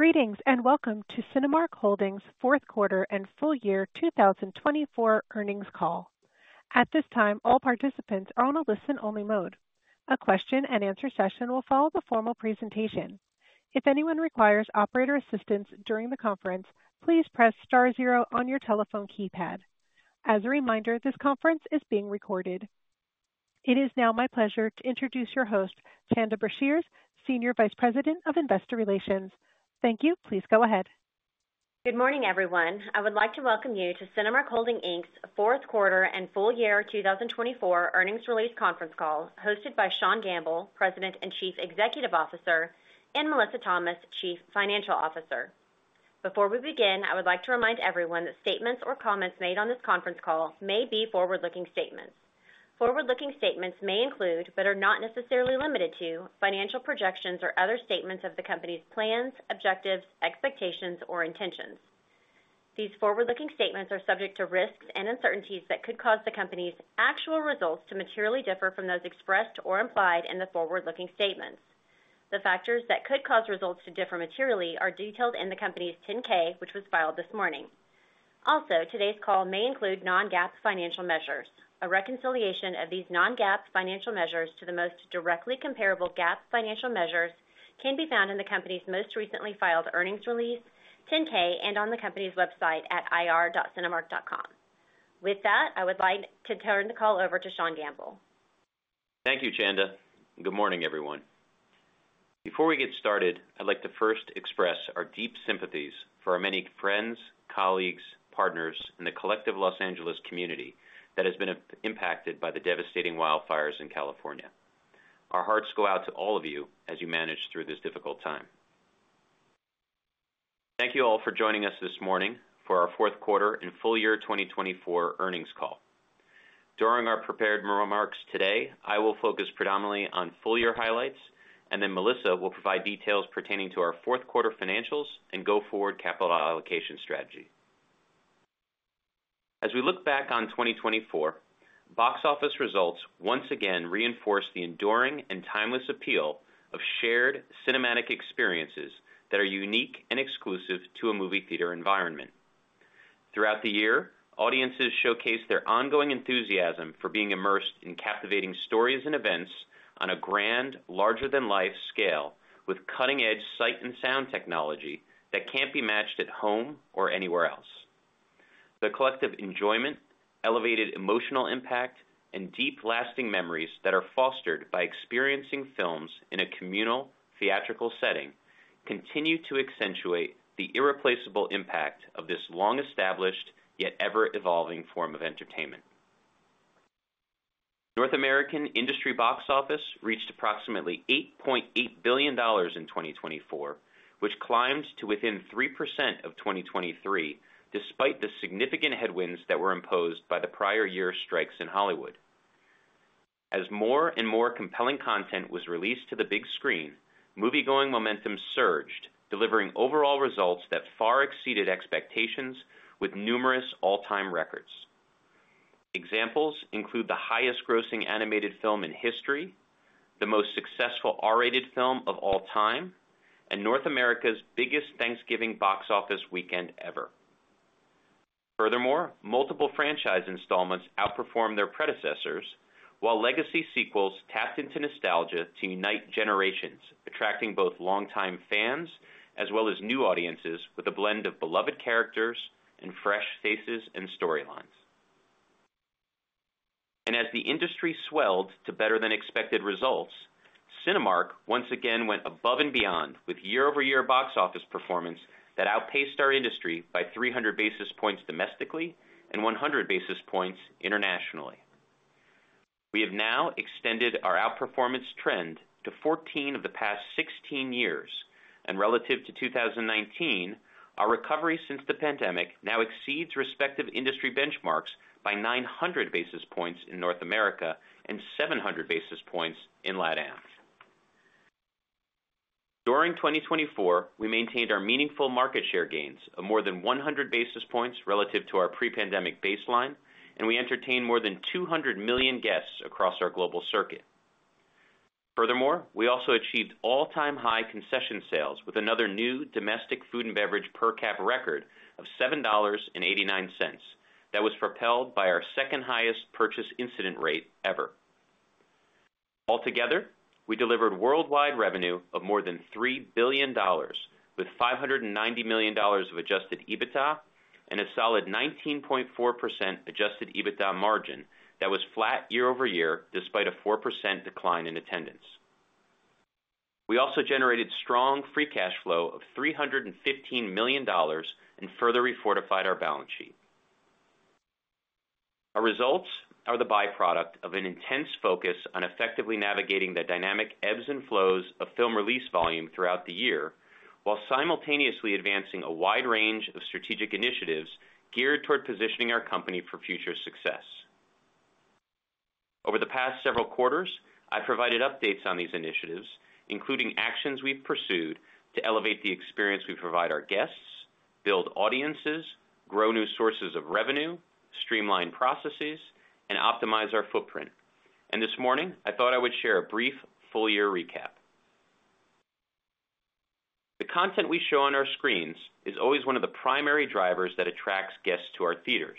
Greetings and welcome to Cinemark Holdings' fourth quarter and full year 2024 earnings call. At this time, all participants are on a listen-only mode. A question-and-answer session will follow the formal presentation. If anyone requires operator assistance during the conference, please press star zero on your telephone keypad. As a reminder, this conference is being recorded. It is now my pleasure to introduce your host, Chanda Brashears, Senior Vice President of Investor Relations. Thank you. Please go ahead. Good morning, everyone. I would like to welcome you to Cinemark Holdings Inc.'s fourth quarter and full year 2024 earnings release conference call, hosted by Sean Gamble, President and Chief Executive Officer, and Melissa Thomas, Chief Financial Officer. Before we begin, I would like to remind everyone that statements or comments made on this conference call may be forward-looking statements. Forward-looking statements may include, but are not necessarily limited to, financial projections or other statements of the company's plans, objectives, expectations, or intentions. These forward-looking statements are subject to risks and uncertainties that could cause the company's actual results to materially differ from those expressed or implied in the forward-looking statements. The factors that could cause results to differ materially are detailed in the company's 10-K, which was filed this morning. Also, today's call may include non-GAAP financial measures. A reconciliation of these non-GAAP financial measures to the most directly comparable GAAP financial measures can be found in the company's most recently filed earnings release, 10-K, and on the company's website at ir.cinemark.com. With that, I would like to turn the call over to Sean Gamble. Thank you, Chanda. Good morning, everyone. Before we get started, I'd like to first express our deep sympathies for our many friends, colleagues, partners, and the collective Los Angeles community that has been impacted by the devastating wildfires in California. Our hearts go out to all of you as you manage through this difficult time. Thank you all for joining us this morning for our fourth quarter and full year 2024 earnings call. During our prepared remarks today, I will focus predominantly on full year highlights, and then Melissa will provide details pertaining to our fourth quarter financials and go forward capital allocation strategy. As we look back on 2024, box office results once again reinforced the enduring and timeless appeal of shared cinematic experiences that are unique and exclusive to a movie theater environment. Throughout the year, audiences showcased their ongoing enthusiasm for being immersed in captivating stories and events on a grand, larger-than-life scale with cutting-edge sight and sound technology that can't be matched at home or anywhere else. The collective enjoyment, elevated emotional impact, and deep lasting memories that are fostered by experiencing films in a communal theatrical setting continue to accentuate the irreplaceable impact of this long-established yet ever-evolving form of entertainment. North American industry box office reached approximately $8.8 billion in 2024, which climbed to within 3% of 2023 despite the significant headwinds that were imposed by the prior year's strikes in Hollywood. As more and more compelling content was released to the big screen, movie-going momentum surged, delivering overall results that far exceeded expectations with numerous all-time records. Examples include the highest-grossing animated film in history, the most successful R-rated film of all time, and North America's biggest Thanksgiving box office weekend ever. Furthermore, multiple franchise installments outperformed their predecessors, while legacy sequels tapped into nostalgia to unite generations, attracting both longtime fans as well as new audiences with a blend of beloved characters and fresh faces and storylines, and as the industry swelled to better-than-expected results, Cinemark once again went above and beyond with year-over-year box office performance that outpaced our industry by 300 basis points domestically and 100 basis points internationally. We have now extended our outperformance trend to 14 of the past 16 years, and relative to 2019, our recovery since the pandemic now exceeds respective industry benchmarks by 900 basis points in North America and 700 basis points in LatAm. During 2024, we maintained our meaningful market share gains of more than 100 basis points relative to our pre-pandemic baseline, and we entertained more than 200 million guests across our global circuit. Furthermore, we also achieved all-time high concession sales with another new domestic food and beverage per cap record of $7.89 that was propelled by our second highest purchase incident rate ever. Altogether, we delivered worldwide revenue of more than $3 billion with $590 million of Adjusted EBITDA and a solid 19.4% Adjusted EBITDA margin that was flat year-over-year despite a 4% decline in attendance. We also generated strong Free Cash Flow of $315 million and further refortified our balance sheet. Our results are the byproduct of an intense focus on effectively navigating the dynamic ebbs and flows of film release volume throughout the year, while simultaneously advancing a wide range of strategic initiatives geared toward positioning our company for future success. Over the past several quarters, I've provided updates on these initiatives, including actions we've pursued to elevate the experience we provide our guests, build audiences, grow new sources of revenue, streamline processes, and optimize our footprint. This morning, I thought I would share a brief full year recap. The content we show on our screens is always one of the primary drivers that attracts guests to our theaters.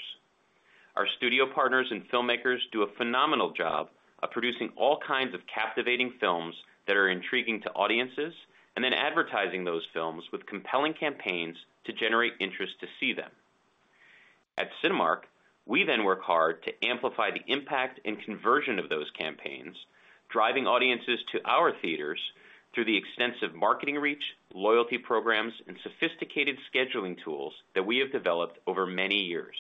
Our studio partners and filmmakers do a phenomenal job of producing all kinds of captivating films that are intriguing to audiences and then advertising those films with compelling campaigns to generate interest to see them. At Cinemark, we then work hard to amplify the impact and conversion of those campaigns, driving audiences to our theaters through the extensive marketing reach, loyalty programs, and sophisticated scheduling tools that we have developed over many years.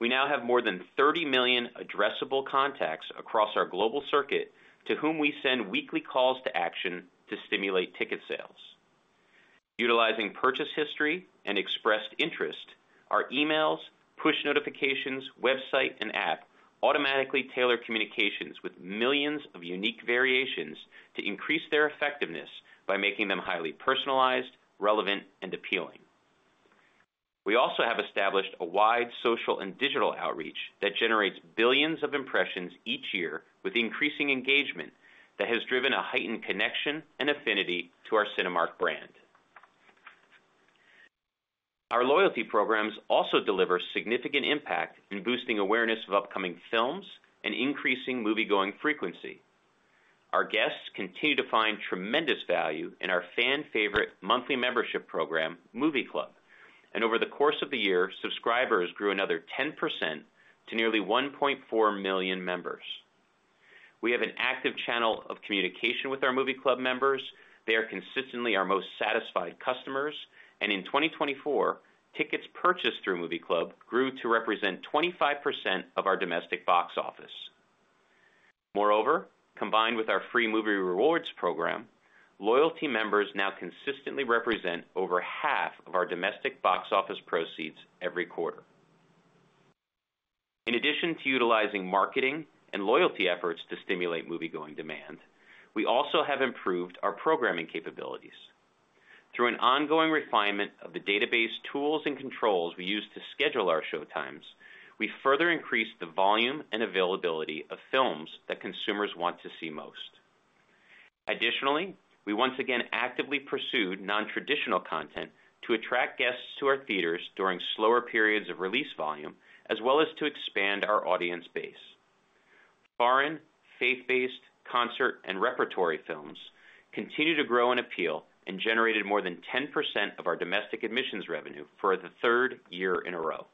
We now have more than 30 million addressable contacts across our global circuit to whom we send weekly calls to action to stimulate ticket sales. Utilizing purchase history and expressed interest, our emails, push notifications, website, and app automatically tailor communications with millions of unique variations to increase their effectiveness by making them highly personalized, relevant, and appealing. We also have established a wide social and digital outreach that generates billions of impressions each year with increasing engagement that has driven a heightened connection and affinity to our Cinemark brand. Our loyalty programs also deliver significant impact in boosting awareness of upcoming films and increasing movie-going frequency. Our guests continue to find tremendous value in our fan-favorite monthly membership program, Movie Club, and over the course of the year, subscribers grew another 10% to nearly 1.4 million members. We have an active channel of communication with our Movie Club members. They are consistently our most satisfied customers, and in 2024, tickets purchased through Movie Club grew to represent 25% of our domestic box office. Moreover, combined with our free Movie Rewards program, loyalty members now consistently represent over half of our domestic box office proceeds every quarter. In addition to utilizing marketing and loyalty efforts to stimulate movie-going demand, we also have improved our programming capabilities. Through an ongoing refinement of the database tools and controls we use to schedule our showtimes, we further increased the volume and availability of films that consumers want to see most. Additionally, we once again actively pursued non-traditional content to attract guests to our theaters during slower periods of release volume, as well as to expand our audience base. Foreign, faith-based, concert, and repertory films continue to grow in appeal and generated more than 10% of our domestic admissions revenue for the third year in a row.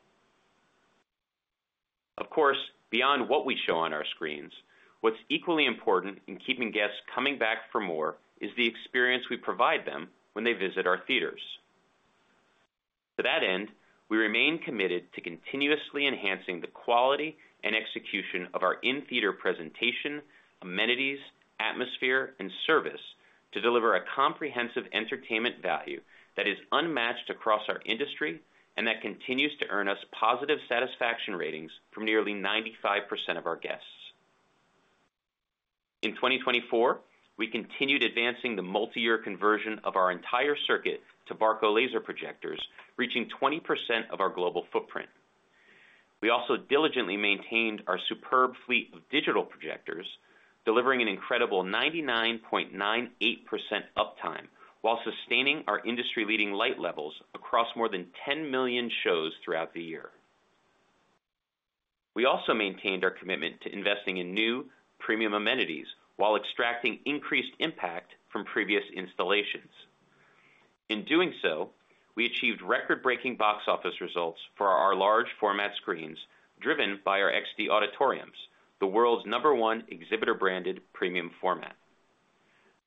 Of course, beyond what we show on our screens, what's equally important in keeping guests coming back for more is the experience we provide them when they visit our theaters. To that end, we remain committed to continuously enhancing the quality and execution of our in-theater presentation, amenities, atmosphere, and service to deliver a comprehensive entertainment value that is unmatched across our industry and that continues to earn us positive satisfaction ratings from nearly 95% of our guests. In 2024, we continued advancing the multi-year conversion of our entire circuit to Barco Laser projectors, reaching 20% of our global footprint. We also diligently maintained our superb fleet of digital projectors, delivering an incredible 99.98% uptime while sustaining our industry-leading light levels across more than 10 million shows throughout the year. We also maintained our commitment to investing in new premium amenities while extracting increased impact from previous installations. In doing so, we achieved record-breaking box office results for our large format screens driven by our XD Auditoriums, the world's number one exhibitor-branded premium format.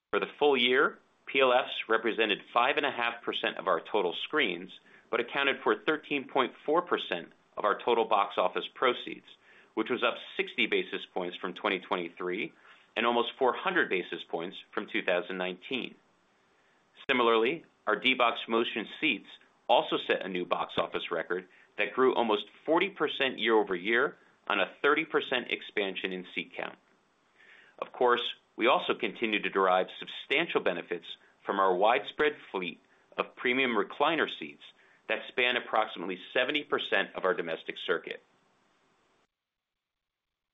For the full year, PLFs represented 5.5% of our total screens but accounted for 13.4% of our total box office proceeds, which was up 60 basis points from 2023 and almost 400 basis points from 2019. Similarly, our D-BOX Motion seats also set a new box office record that grew almost 40% year-over-year on a 30% expansion in seat count. Of course, we also continue to derive substantial benefits from our widespread fleet of premium recliner seats that span approximately 70% of our domestic circuit.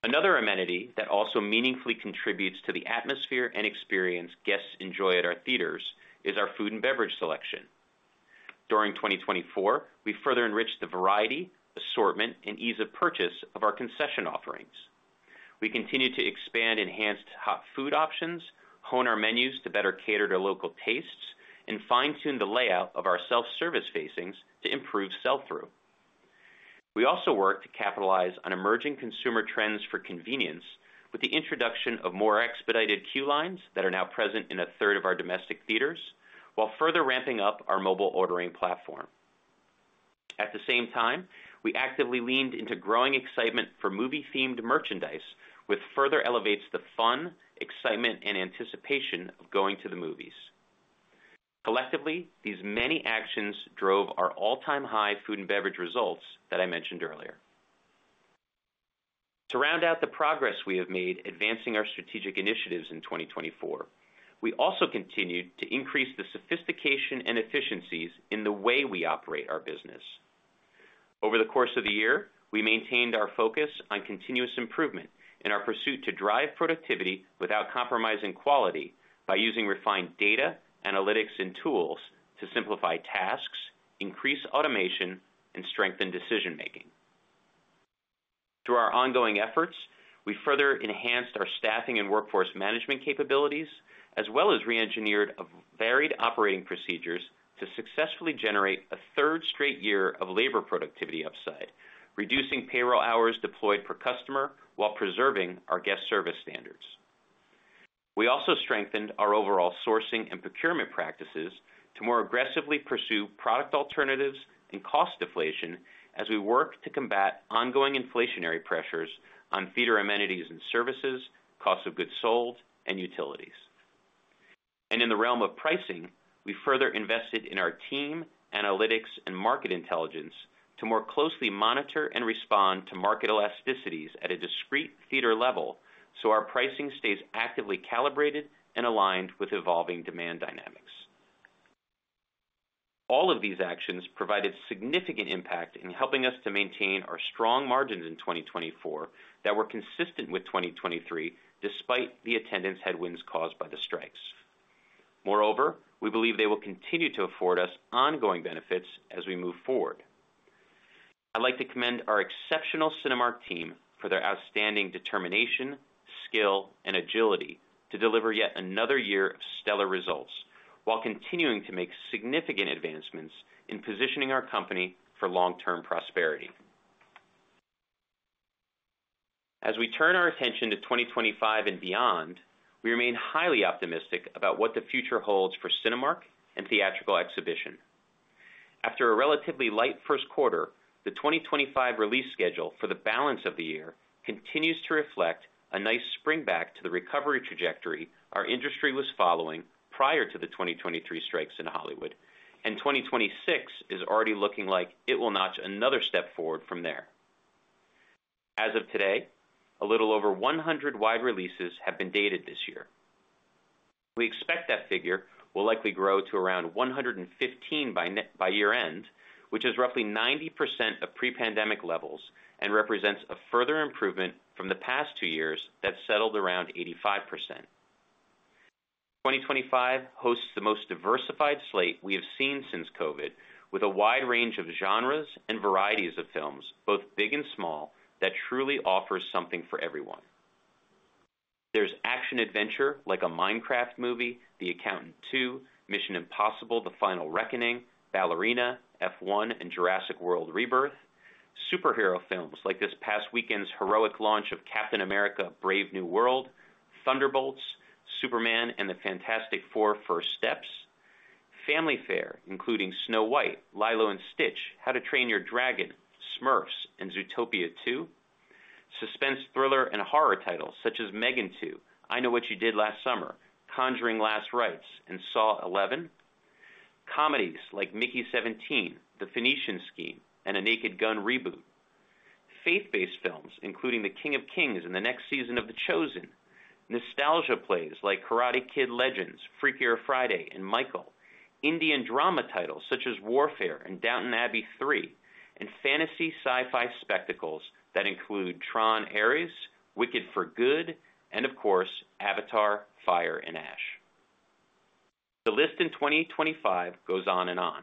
Another amenity that also meaningfully contributes to the atmosphere and experience guests enjoy at our theaters is our food and beverage selection. During 2024, we further enriched the variety, assortment, and ease of purchase of our concession offerings. We continue to expand enhanced hot food options, hone our menus to better cater to local tastes, and fine-tune the layout of our self-service facings to improve sell-through. We also work to capitalize on emerging consumer trends for convenience with the introduction of more expedited queue lines that are now present in a third of our domestic theaters, while further ramping up our mobile ordering platform. At the same time, we actively leaned into growing excitement for movie-themed merchandise, which further elevates the fun, excitement, and anticipation of going to the movies. Collectively, these many actions drove our all-time high food and beverage results that I mentioned earlier. To round out the progress we have made advancing our strategic initiatives in 2024, we also continued to increase the sophistication and efficiencies in the way we operate our business. Over the course of the year, we maintained our focus on continuous improvement in our pursuit to drive productivity without compromising quality by using refined data, analytics, and tools to simplify tasks, increase automation, and strengthen decision-making. Through our ongoing efforts, we further enhanced our staffing and workforce management capabilities, as well as re-engineered varied operating procedures to successfully generate a third straight year of labor productivity upside, reducing payroll hours deployed per customer while preserving our guest service standards. We also strengthened our overall sourcing and procurement practices to more aggressively pursue product alternatives and cost deflation as we work to combat ongoing inflationary pressures on theater amenities and services, cost of goods sold, and utilities. And in the realm of pricing, we further invested in our team, analytics, and market intelligence to more closely monitor and respond to market elasticities at a discreet theater level so our pricing stays actively calibrated and aligned with evolving demand dynamics. All of these actions provided significant impact in helping us to maintain our strong margins in 2024 that were consistent with 2023 despite the attendance headwinds caused by the strikes. Moreover, we believe they will continue to afford us ongoing benefits as we move forward. I'd like to commend our exceptional Cinemark team for their outstanding determination, skill, and agility to deliver yet another year of stellar results while continuing to make significant advancements in positioning our company for long-term prosperity. As we turn our attention to 2025 and beyond, we remain highly optimistic about what the future holds for Cinemark and theatrical exhibition. After a relatively light first quarter, the 2025 release schedule for the balance of the year continues to reflect a nice spring back to the recovery trajectory our industry was following prior to the 2023 strikes in Hollywood, and 2026 is already looking like it will notch another step forward from there. As of today, a little over 100 wide releases have been dated this year. We expect that figure will likely grow to around 115 by year-end, which is roughly 90% of pre-pandemic levels and represents a further improvement from the past two years that settled around 85%. 2025 hosts the most diversified slate we have seen since COVID, with a wide range of genres and varieties of films, both big and small, that truly offers something for everyone. There's action-adventure like A Minecraft Movie, The Accountant 2, Mission: Impossible - The Final Reckoning, Ballerina, F1, and Jurassic World: Rebirth. Superhero films like this past weekend's heroic launch of Captain America: Brave New World, Thunderbolts, Superman and The Fantastic Four: First Steps. Family fare, including Snow White, Lilo & Stitch, How to Train Your Dragon, Smurfs, and Zootopia 2. Suspense thriller and horror titles such as M3GAN 2, I Know What You Did Last Summer, The Conjuring: Last Rites, and Saw XI. Comedies like Mickey 17, The Phoenician Scheme, and The Naked Gun. Faith-based films, including The King of Kings and the next season of The Chosen. Nostalgia plays like Karate Kid: Legends, Freakier Friday, and Michael. Indian drama titles such as Warfare and Downton Abbey 3, and fantasy sci-fi spectacles that include Tron: Ares, Wicked for Good, and of course, Avatar: Fire and Ash. The list in 2025 goes on and on.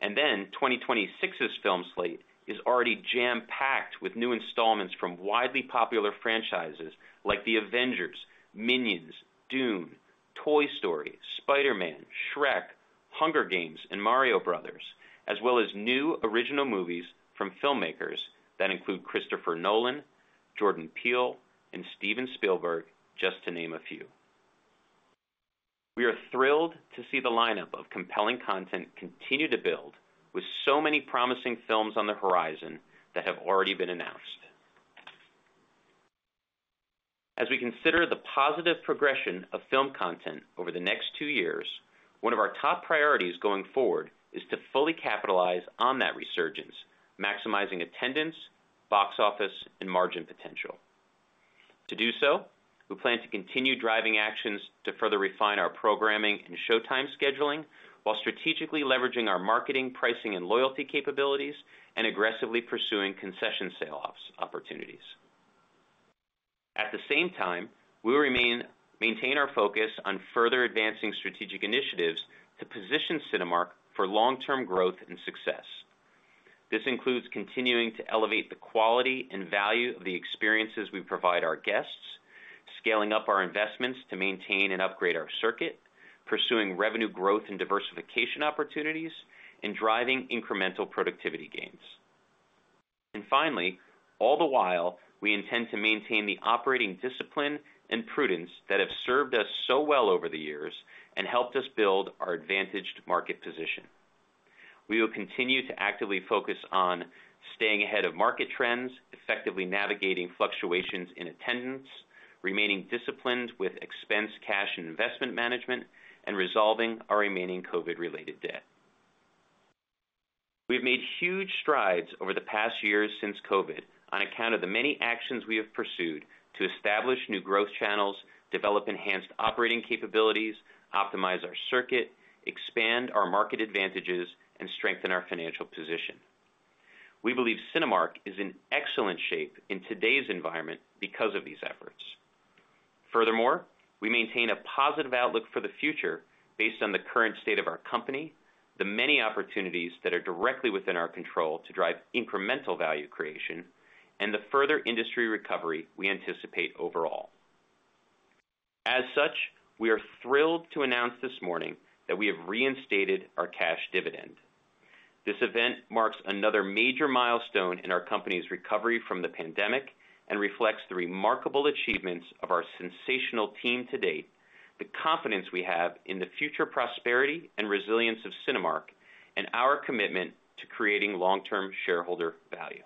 And then 2026's film slate is already jam-packed with new installments from widely popular franchises like The Avengers, Minions, Dune, Toy Story, Spider-Man, Shrek, Hunger Games, and Mario Brothers, as well as new original movies from filmmakers that include Christopher Nolan, Jordan Peele, and Steven Spielberg, just to name a few. We are thrilled to see the lineup of compelling content continue to build with so many promising films on the horizon that have already been announced. As we consider the positive progression of film content over the next two years, one of our top priorities going forward is to fully capitalize on that resurgence, maximizing attendance, box office, and margin potential. To do so, we plan to continue driving actions to further refine our programming and showtime scheduling while strategically leveraging our marketing, pricing, and loyalty capabilities and aggressively pursuing concession sale opportunities. At the same time, we will maintain our focus on further advancing strategic initiatives to position Cinemark for long-term growth and success. This includes continuing to elevate the quality and value of the experiences we provide our guests, scaling up our investments to maintain and upgrade our circuit, pursuing revenue growth and diversification opportunities, and driving incremental productivity gains. And finally, all the while, we intend to maintain the operating discipline and prudence that have served us so well over the years and helped us build our advantaged market position. We will continue to actively focus on staying ahead of market trends, effectively navigating fluctuations in attendance, remaining disciplined with expense, cash, and investment management, and resolving our remaining COVID-related debt. We have made huge strides over the past years since COVID on account of the many actions we have pursued to establish new growth channels, develop enhanced operating capabilities, optimize our circuit, expand our market advantages, and strengthen our financial position. We believe Cinemark is in excellent shape in today's environment because of these efforts. Furthermore, we maintain a positive outlook for the future based on the current state of our company, the many opportunities that are directly within our control to drive incremental value creation, and the further industry recovery we anticipate overall. As such, we are thrilled to announce this morning that we have reinstated our cash dividend. This event marks another major milestone in our company's recovery from the pandemic and reflects the remarkable achievements of our sensational team to date, the confidence we have in the future prosperity and resilience of Cinemark, and our commitment to creating long-term shareholder value.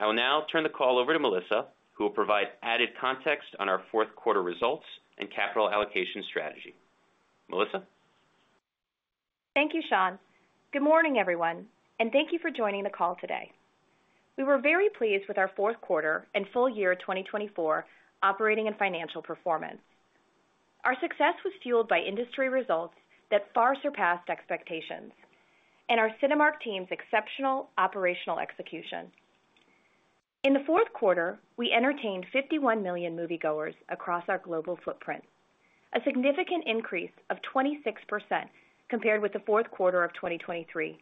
I will now turn the call over to Melissa, who will provide added context on our fourth quarter results and capital allocation strategy. Melissa? Thank you, Sean. Good morning, everyone, and thank you for joining the call today. We were very pleased with our fourth quarter and full year 2024 operating and financial performance. Our success was fueled by industry results that far surpassed expectations and our Cinemark team's exceptional operational execution. In the fourth quarter, we entertained 51 million moviegoers across our global footprint, a significant increase of 26% compared with the fourth quarter of 2023,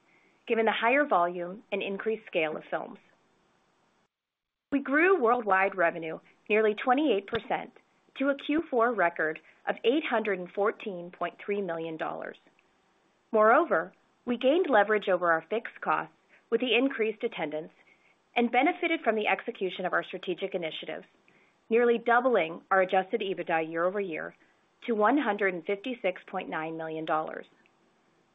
given the higher volume and increased scale of films. We grew worldwide revenue nearly 28% to a Q4 record of $814.3 million. Moreover, we gained leverage over our fixed costs with the increased attendance and benefited from the execution of our strategic initiatives, nearly doubling our adjusted EBITDA year-over-year to $156.9 million.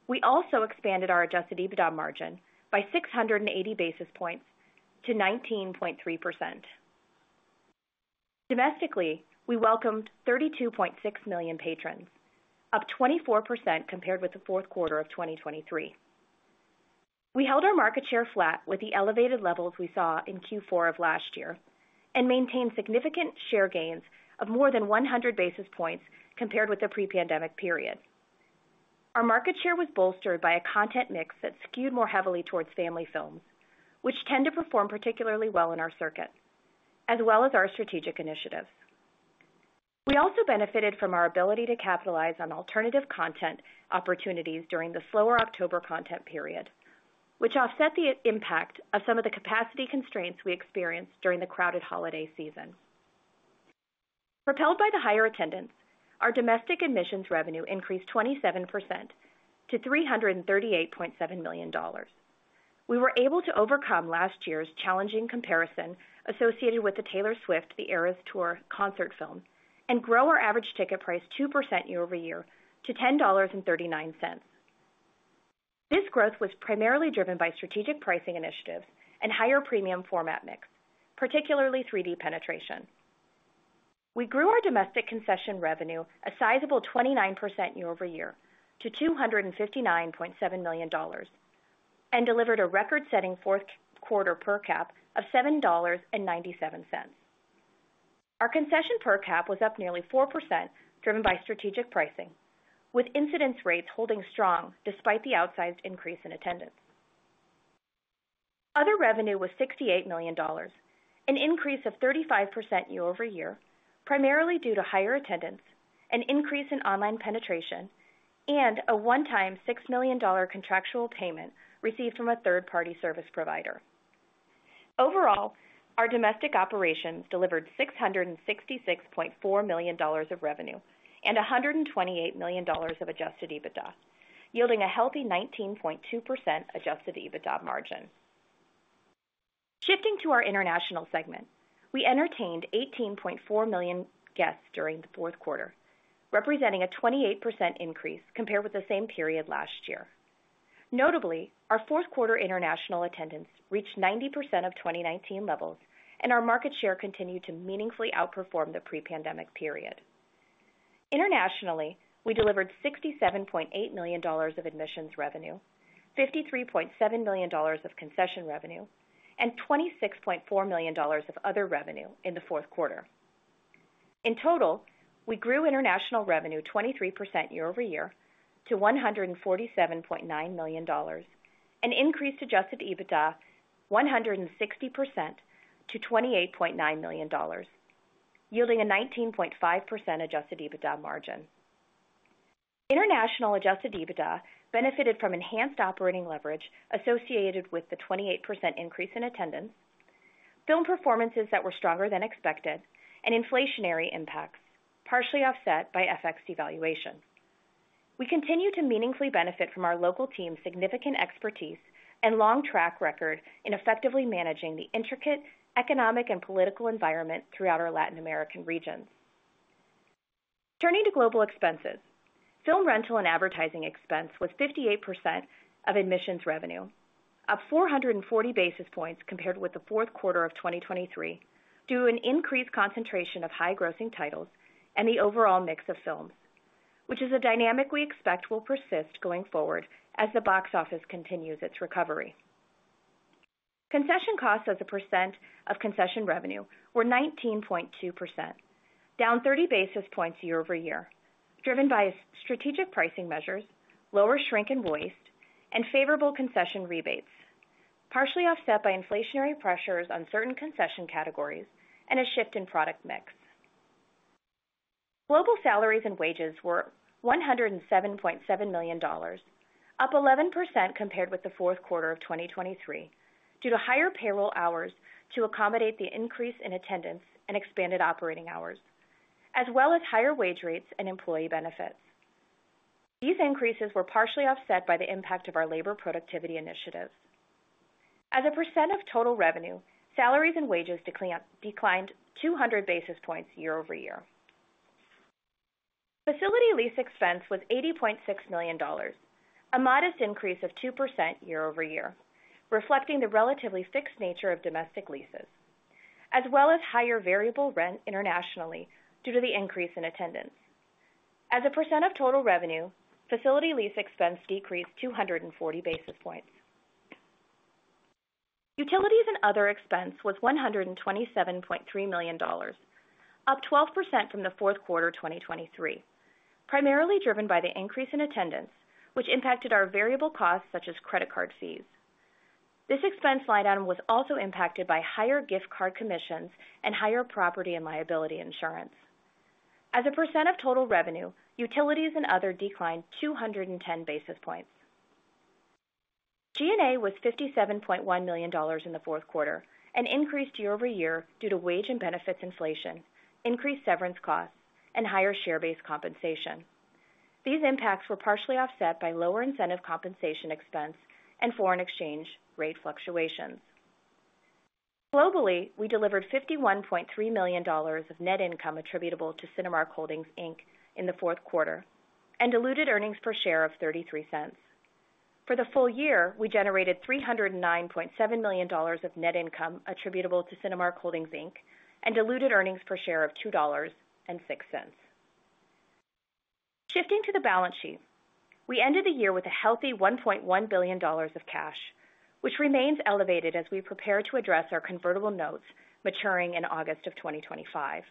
We also expanded our adjusted EBITDA margin by 680 basis points to 19.3%. Domestically, we welcomed 32.6 million patrons, up 24% compared with the fourth quarter of 2023. We held our market share flat with the elevated levels we saw in Q4 of last year and maintained significant share gains of more than 100 basis points compared with the pre-pandemic period. Our market share was bolstered by a content mix that skewed more heavily towards family films, which tend to perform particularly well in our circuit, as well as our strategic initiatives. We also benefited from our ability to capitalize on alternative content opportunities during the slower October content period, which offset the impact of some of the capacity constraints we experienced during the crowded holiday season. Propelled by the higher attendance, our domestic admissions revenue increased 27% to $338.7 million. We were able to overcome last year's challenging comparison associated with the Taylor Swift: The Eras Tour concert film and grow our average ticket price 2% year-over-year to $10.39. This growth was primarily driven by strategic pricing initiatives and higher premium format mix, particularly 3D penetration. We grew our domestic concession revenue a sizable 29% year-over-year to $259.7 million and delivered a record-setting fourth quarter per cap of $7.97. Our concession per cap was up nearly 4%, driven by strategic pricing, with incidence rates holding strong despite the outsized increase in attendance. Other revenue was $68 million, an increase of 35% year-over-year, primarily due to higher attendance, an increase in online penetration, and a one-time $6 million contractual payment received from a third-party service provider. Overall, our domestic operations delivered $666.4 million of revenue and $128 million of Adjusted EBITDA, yielding a healthy 19.2% Adjusted EBITDA margin. Shifting to our international segment, we entertained 18.4 million guests during the fourth quarter, representing a 28% increase compared with the same period last year. Notably, our fourth quarter international attendance reached 90% of 2019 levels, and our market share continued to meaningfully outperform the pre-pandemic period. Internationally, we delivered $67.8 million of admissions revenue, $53.7 million of concession revenue, and $26.4 million of other revenue in the fourth quarter. In total, we grew international revenue 23% year-over-year to $147.9 million, an increased Adjusted EBITDA 160% to $28.9 million, yielding a 19.5% Adjusted EBITDA margin. International Adjusted EBITDA benefited from enhanced operating leverage associated with the 28% increase in attendance, film performances that were stronger than expected, and inflationary impacts partially offset by FX devaluation. We continue to meaningfully benefit from our local team's significant expertise and long track record in effectively managing the intricate economic and political environment throughout our Latin American regions. Turning to global expenses, film rental and advertising expense was 58% of admissions revenue, up 440 basis points compared with the fourth quarter of 2023 due to an increased concentration of high-grossing titles and the overall mix of films, which is a dynamic we expect will persist going forward as the box office continues its recovery. Concession costs as a percent of concession revenue were 19.2%, down 30 basis points year-over-year, driven by strategic pricing measures, lower shrink inventory, and favorable concession rebates, partially offset by inflationary pressures on certain concession categories and a shift in product mix. Global salaries and wages were $107.7 million, up 11% compared with the fourth quarter of 2023 due to higher payroll hours to accommodate the increase in attendance and expanded operating hours, as well as higher wage rates and employee benefits. These increases were partially offset by the impact of our labor productivity initiatives. As a percent of total revenue, salaries and wages declined 200 basis points year-over-year. Facility lease expense was $80.6 million, a modest increase of 2% year-over-year, reflecting the relatively fixed nature of domestic leases, as well as higher variable rent internationally due to the increase in attendance. As a % of total revenue, facility lease expense decreased 240 basis points. Utilities and other expense was $127.3 million, up 12% from the fourth quarter 2023, primarily driven by the increase in attendance, which impacted our variable costs such as credit card fees. This expense line item was also impacted by higher gift card commissions and higher property and liability insurance. As a % of total revenue, utilities and other declined 210 basis points. G&A was $57.1 million in the fourth quarter, an increase year-over-year due to wage and benefits inflation, increased severance costs, and higher share-based compensation. These impacts were partially offset by lower incentive compensation expense and foreign exchange rate fluctuations. Globally, we delivered $51.3 million of net income attributable to Cinemark Holdings, Inc. in the fourth quarter and diluted earnings per share of $0.33. For the full year, we generated $309.7 million of net income attributable to Cinemark Holdings, Inc., and diluted earnings per share of $2.06. Shifting to the balance sheet, we ended the year with a healthy $1.1 billion of cash, which remains elevated as we prepare to address our convertible notes maturing in August of 2025.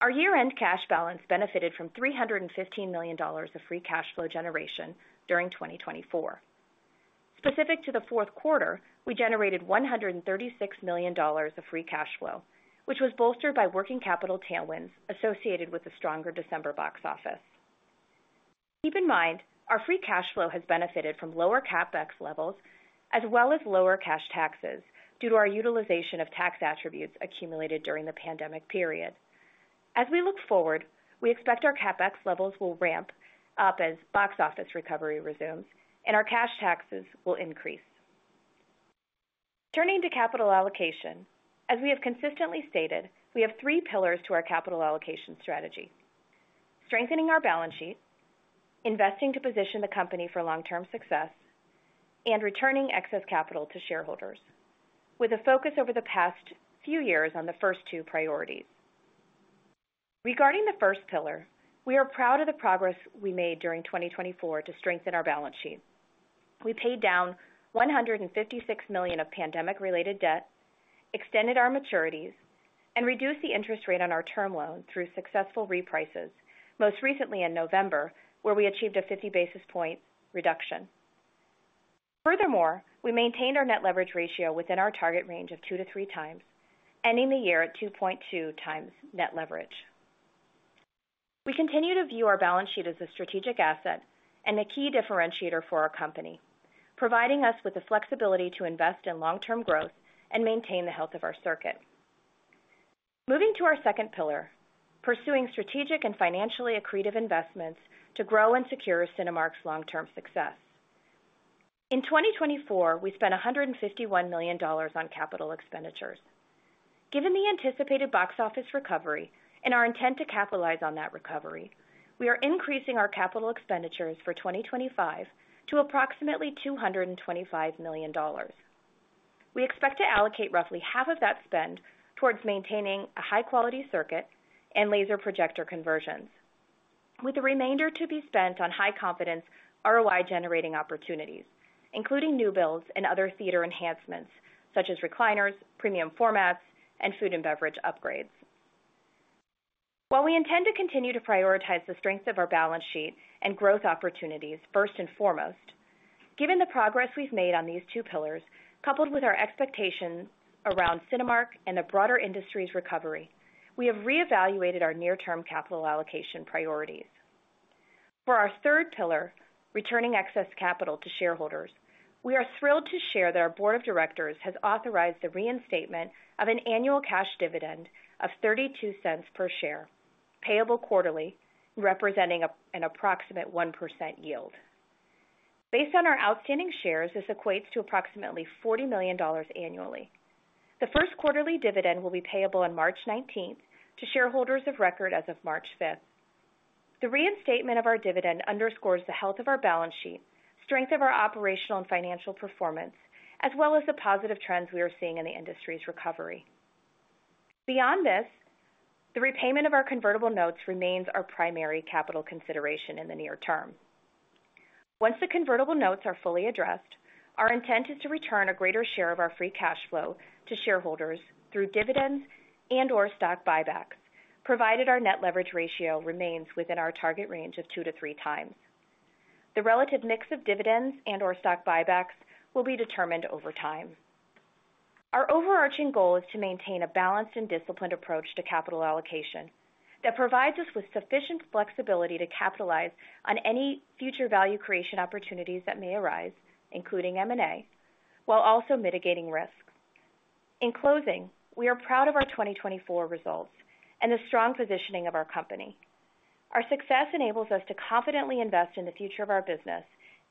Our year-end cash balance benefited from $315 million of Free Cash Flow generation during 2024. Specific to the fourth quarter, we generated $136 million of Free Cash Flow, which was bolstered by working capital tailwinds associated with a stronger December box office. Keep in mind, our Free Cash Flow has benefited from lower CapEx levels as well as lower cash taxes due to our utilization of tax attributes accumulated during the pandemic period. As we look forward, we expect our CapEx levels will ramp up as box office recovery resumes and our cash taxes will increase. Turning to capital allocation, as we have consistently stated, we have three pillars to our capital allocation strategy: strengthening our balance sheet, investing to position the company for long-term success, and returning excess capital to shareholders, with a focus over the past few years on the first two priorities. Regarding the first pillar, we are proud of the progress we made during 2024 to strengthen our balance sheet. We paid down $156 million of pandemic-related debt, extended our maturities, and reduced the interest rate on our term loan through successful reprices, most recently in November, where we achieved a 50 basis points reduction. Furthermore, we maintained our net leverage ratio within our target range of 2 to 3 times, ending the year at 2.2 times net leverage. We continue to view our balance sheet as a strategic asset and a key differentiator for our company, providing us with the flexibility to invest in long-term growth and maintain the health of our circuit. Moving to our second pillar, pursuing strategic and financially accretive investments to grow and secure Cinemark's long-term success. In 2024, we spent $151 million on capital expenditures. Given the anticipated box office recovery and our intent to capitalize on that recovery, we are increasing our capital expenditures for 2025 to approximately $225 million. We expect to allocate roughly half of that spend towards maintaining a high-quality circuit and laser projector conversions, with the remainder to be spent on high-confidence ROI-generating opportunities, including new builds and other theater enhancements such as recliners, premium formats, and food and beverage upgrades. While we intend to continue to prioritize the strengths of our balance sheet and growth opportunities first and foremost, given the progress we've made on these two pillars, coupled with our expectations around Cinemark and the broader industry's recovery, we have reevaluated our near-term capital allocation priorities. For our third pillar, returning excess capital to shareholders, we are thrilled to share that our Board of directors has authorized the reinstatement of an annual cash dividend of $0.32 per share, payable quarterly, representing an approximate 1% yield. Based on our outstanding shares, this equates to approximately $40 million annually. The first quarterly dividend will be payable on March 19th to shareholders of record as of March 5th. The reinstatement of our dividend underscores the health of our balance sheet, strength of our operational and financial performance, as well as the positive trends we are seeing in the industry's recovery. Beyond this, the repayment of our convertible notes remains our primary capital consideration in the near term. Once the convertible notes are fully addressed, our intent is to return a greater share of our Free Cash Flow to shareholders through dividends and/or stock buybacks, provided our net leverage ratio remains within our target range of 2 to 3 times. The relative mix of dividends and/or stock buybacks will be determined over time. Our overarching goal is to maintain a balanced and disciplined approach to capital allocation that provides us with sufficient flexibility to capitalize on any future value creation opportunities that may arise, including M&A, while also mitigating risks. In closing, we are proud of our 2024 results and the strong positioning of our company. Our success enables us to confidently invest in the future of our business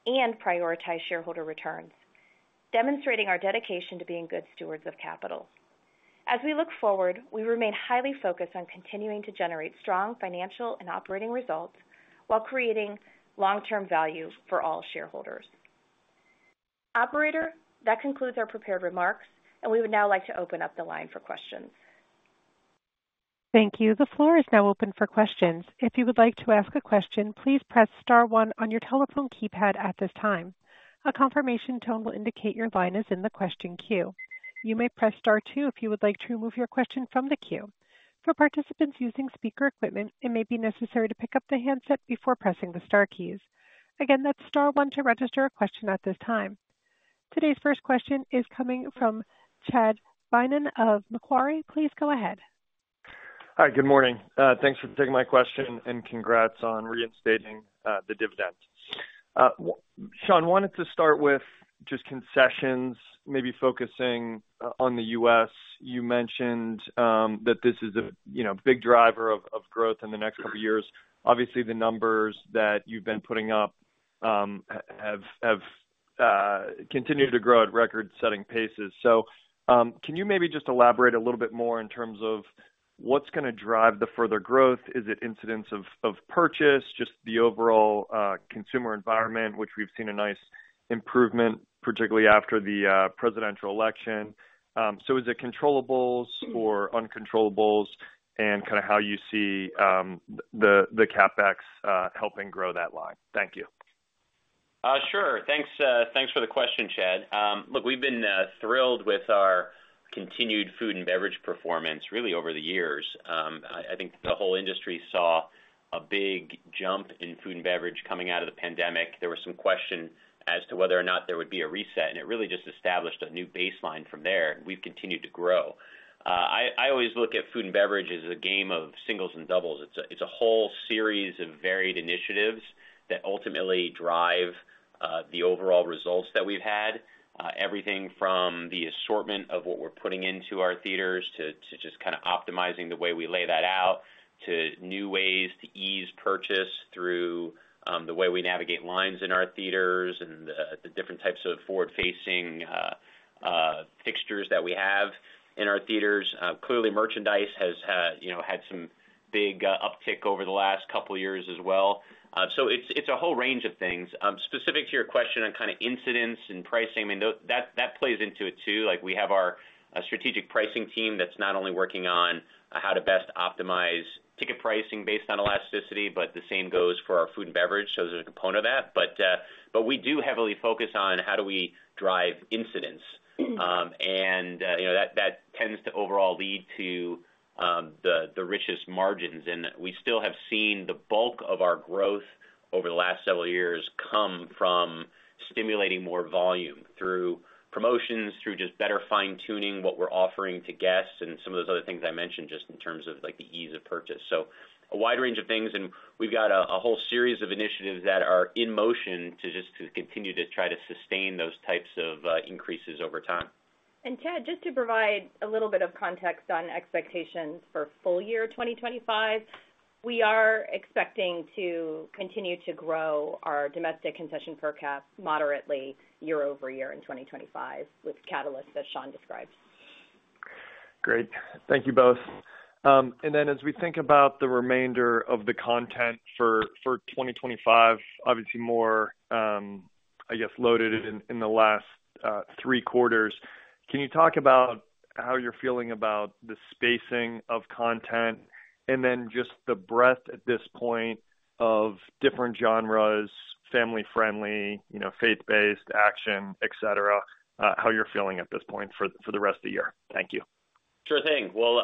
and prioritize shareholder returns, demonstrating our dedication to being good stewards of capital. As we look forward, we remain highly focused on continuing to generate strong financial and operating results while creating long-term value for all shareholders. Operator, that concludes our prepared remarks, and we would now like to open up the line for questions. Thank you. The floor is now open for questions. If you would like to ask a question, please press Star 1 on your telephone keypad at this time. A confirmation tone will indicate your line is in the question queue. You may press Star 2 if you would like to remove your question from the queue. For participants using speaker equipment, it may be necessary to pick up the handset before pressing the Star keys. Again, that's Star 1 to register a question at this time. Today's first question is coming from Chad Beynon of Macquarie. Please go ahead. Hi. Good morning. Thanks for taking my question and congrats on reinstating the dividend. Sean, I wanted to start with just concessions, maybe focusing on the U.S. You mentioned that this is a big driver of growth in the next couple of years. Obviously, the numbers that you've been putting up have continued to grow at record-setting paces. So can you maybe just elaborate a little bit more in terms of what's going to drive the further growth? Is it incidents of purchase, just the overall consumer environment, which we've seen a nice improvement, particularly after the presidential election? So is it controllable or uncontrollable and kind of how you see the CapEx helping grow that line? Thank you. Sure. Thanks for the question, Chad. Look, we've been thrilled with our continued food and beverage performance really over the years. I think the whole industry saw a big jump in food and beverage coming out of the pandemic. There was some question as to whether or not there would be a reset, and it really just established a new baseline from there. We've continued to grow. I always look at food and beverage as a game of singles and doubles. It's a whole series of varied initiatives that ultimately drive the overall results that we've had, everything from the assortment of what we're putting into our theaters to just kind of optimizing the way we lay that out, to new ways to ease purchase through the way we navigate lines in our theaters and the different types of forward-facing fixtures that we have in our theaters. Clearly, merchandise has had some big uptick over the last couple of years as well. So it's a whole range of things. Specific to your question on kind of incidents and pricing, I mean, that plays into it too. We have our strategic pricing team that's not only working on how to best optimize ticket pricing based on elasticity, but the same goes for our food and beverage. So there's a component of that. But we do heavily focus on how do we drive incidents. And that tends to overall lead to the richest margins. And we still have seen the bulk of our growth over the last several years come from stimulating more volume through promotions, through just better fine-tuning what we're offering to guests and some of those other things I mentioned just in terms of the ease of purchase. So a wide range of things. And we've got a whole series of initiatives that are in motion to just continue to try to sustain those types of increases over time. And Chad, just to provide a little bit of context on expectations for full year 2025, we are expecting to continue to grow our domestic concession per cap moderately year-over-year in 2025 with catalysts that Sean described. Great. Thank you both. And then as we think about the remainder of the content for 2025, obviously more, I guess, loaded in the last three quarters, can you talk about how you're feeling about the spacing of content and then just the breadth at this point of different genres, family-friendly, faith-based, action, et cetera, how you're feeling at this point for the rest of the year? Thank you. Sure thing. Well,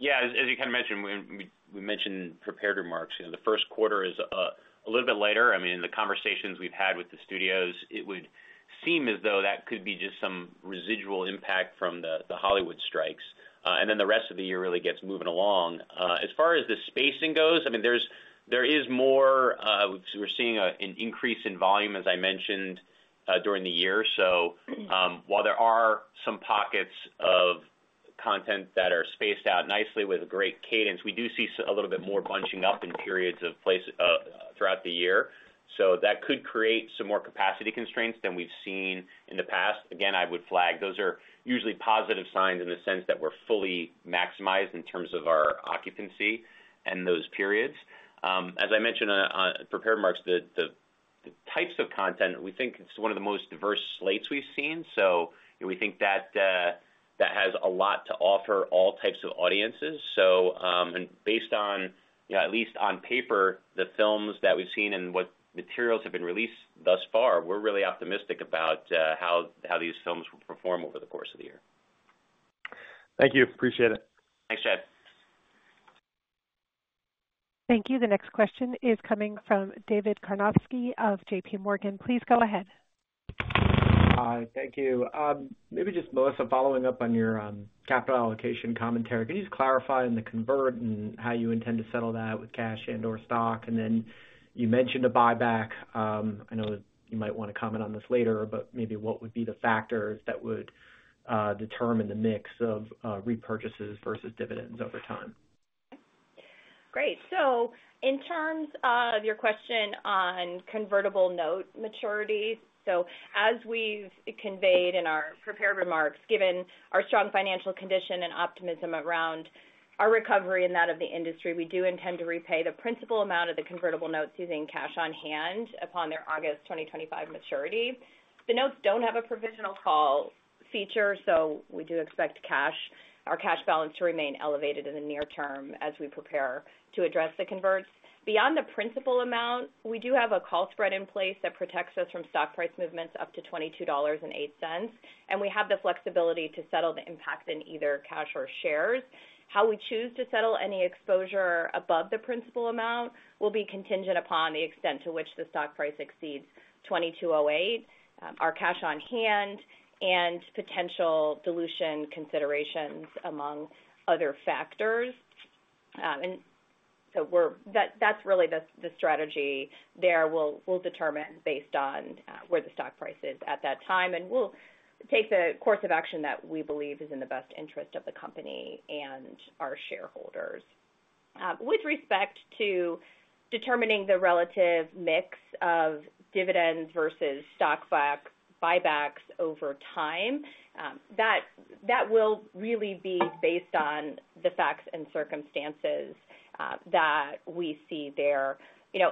yeah, as you kind of mentioned, we mentioned prepared remarks. The first quarter is a little bit lighter. I mean, in the conversations we've had with the studios, it would seem as though that could be just some residual impact from the Hollywood strikes, and then the rest of the year really gets moving along. As far as the spacing goes, I mean, there is more, we're seeing an increase in volume, as I mentioned, during the year, so while there are some pockets of content that are spaced out nicely with great cadence, we do see a little bit more bunching up in periods or places throughout the year, so that could create some more capacity constraints than we've seen in the past. Again, I would flag those are usually positive signs in the sense that we're fully maximized in terms of our occupancy and those periods. As I mentioned on prepared remarks, the types of content, we think it's one of the most diverse slates we've seen. So we think that that has a lot to offer all types of audiences. So based on, at least on paper, the films that we've seen and what materials have been released thus far, we're really optimistic about how these films will perform over the course of the year. Thank you. Appreciate it. Thanks, Chad. Thank you. The next question is coming from David Karnovsky of JPMorgan. Please go ahead. Hi. Thank you. Maybe just Melissa following up on your capital allocation commentary. Can you just clarify on the convert and how you intend to settle that with cash and/or stock? And then you mentioned a buyback. I know you might want to comment on this later, but maybe what would be the factors that would determine the mix of repurchases versus dividends over time? Great. So in terms of your question on convertible note maturities, so as we've conveyed in our prepared remarks, given our strong financial condition and optimism around our recovery and that of the industry, we do intend to repay the principal amount of the convertible notes using cash on hand upon their August 2025 maturity. The notes don't have a provisional call feature, so we do expect our cash balance to remain elevated in the near term as we prepare to address the converts. Beyond the principal amount, we do have a call spread in place that protects us from stock price movements up to $22.08, and we have the flexibility to settle the impact in either cash or shares. How we choose to settle any exposure above the principal amount will be contingent upon the extent to which the stock price exceeds $22.08, our cash on hand, and potential dilution considerations among other factors. And so that's really the strategy there, we'll determine based on where the stock price is at that time. And we'll take the course of action that we believe is in the best interest of the company and our shareholders. With respect to determining the relative mix of dividends versus stock buybacks over time, that will really be based on the facts and circumstances that we see there.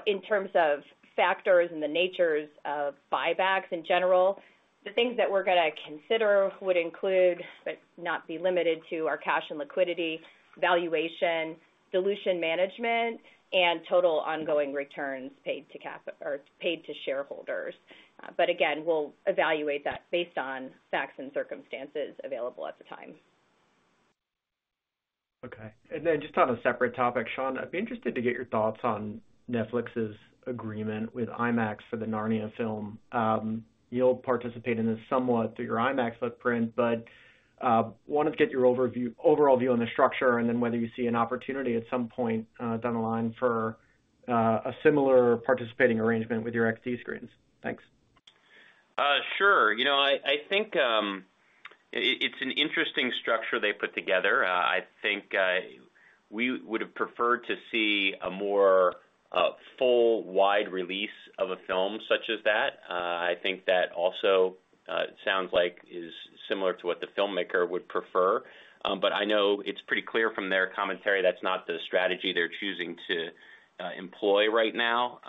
In terms of factors and the natures of buybacks in general, the things that we're going to consider would include, but not be limited to, our cash and liquidity, valuation, dilution management, and total ongoing returns paid to shareholders. But again, we'll evaluate that based on facts and circumstances available at the time. Okay. And then just on a separate topic, Sean, I'd be interested to get your thoughts on Netflix's agreement with IMAX for the Narnia film. You'll participate in this somewhat through your IMAX footprint, but wanted to get your overall view on the structure and then whether you see an opportunity at some point down the line for a similar participating arrangement with your XD screens. Thanks. Sure. I think it's an interesting structure they put together. I think we would have preferred to see a more full, wide release of a film such as that. I think that also sounds like is similar to what the filmmaker would prefer. But I know it's pretty clear from their commentary that's not the strategy they're choosing to employ right now.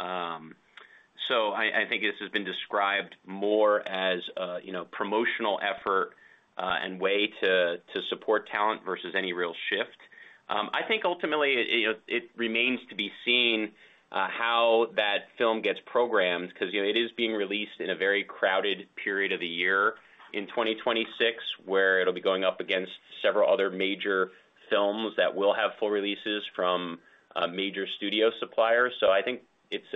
So I think this has been described more as a promotional effort and way to support talent versus any real shift. I think ultimately it remains to be seen how that film gets programmed because it is being released in a very crowded period of the year in 2026 where it'll be going up against several other major films that will have full releases from major studio suppliers. So I think it's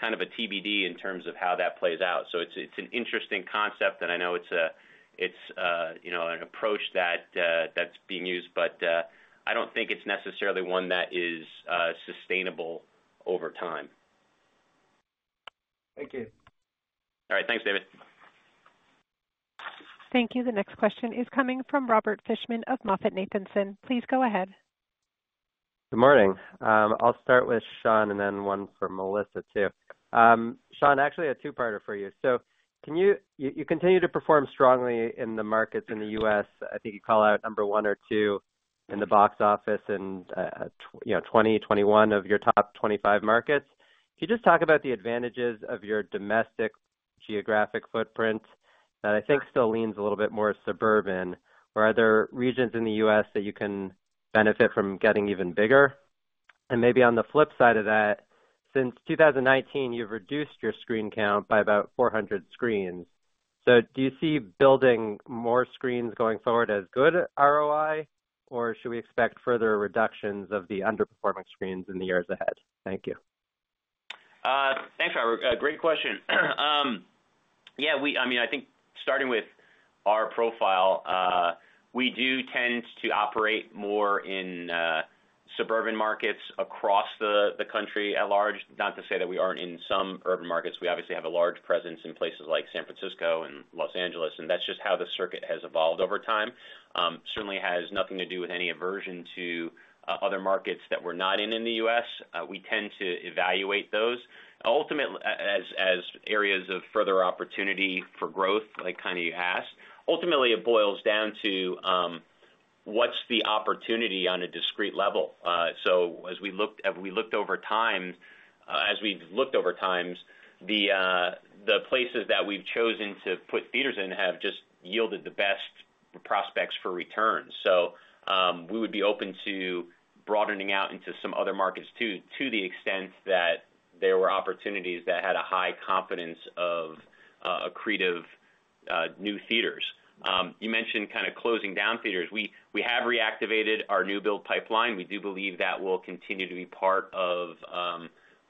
kind of a TBD in terms of how that plays out. So it's an interesting concept, and I know it's an approach that's being used, but I don't think it's necessarily one that is sustainable over time. Thank you. All right. Thanks, David. Thank you. The next question is coming from Robert Fishman of MoffettNathanson. Please go ahead. Good morning. I'll start with Sean and then one for Melissa too. Sean, actually a two-parter for you. So you continue to perform strongly in the markets in the U.S. I think you call out number one or two in the box office in 2021 of your top 25 markets. Can you just talk about the advantages of your domestic geographic footprint that I think still leans a little bit more suburban? Or are there regions in the U.S. that you can benefit from getting even bigger? And maybe on the flip side of that, since 2019, you've reduced your screen count by about 400 screens. So do you see building more screens going forward as good ROI, or should we expect further reductions of the underperforming screens in the years ahead? Thank you. Thanks, Robert. Great question. Yeah. I mean, I think starting with our profile, we do tend to operate more in suburban markets across the country at large. Not to say that we aren't in some urban markets. We obviously have a large presence in places like San Francisco and Los Angeles, and that's just how the circuit has evolved over time. Certainly has nothing to do with any aversion to other markets that we're not in in the U.S. We tend to evaluate those as areas of further opportunity for growth, like kind of you asked. Ultimately, it boils down to what's the opportunity on a discrete level. So as we've looked over time, the places that we've chosen to put theaters in have just yielded the best prospects for returns. So we would be open to broadening out into some other markets too to the extent that there were opportunities that had a high confidence of accretive new theaters. You mentioned kind of closing down theaters. We have reactivated our new build pipeline. We do believe that will continue to be part of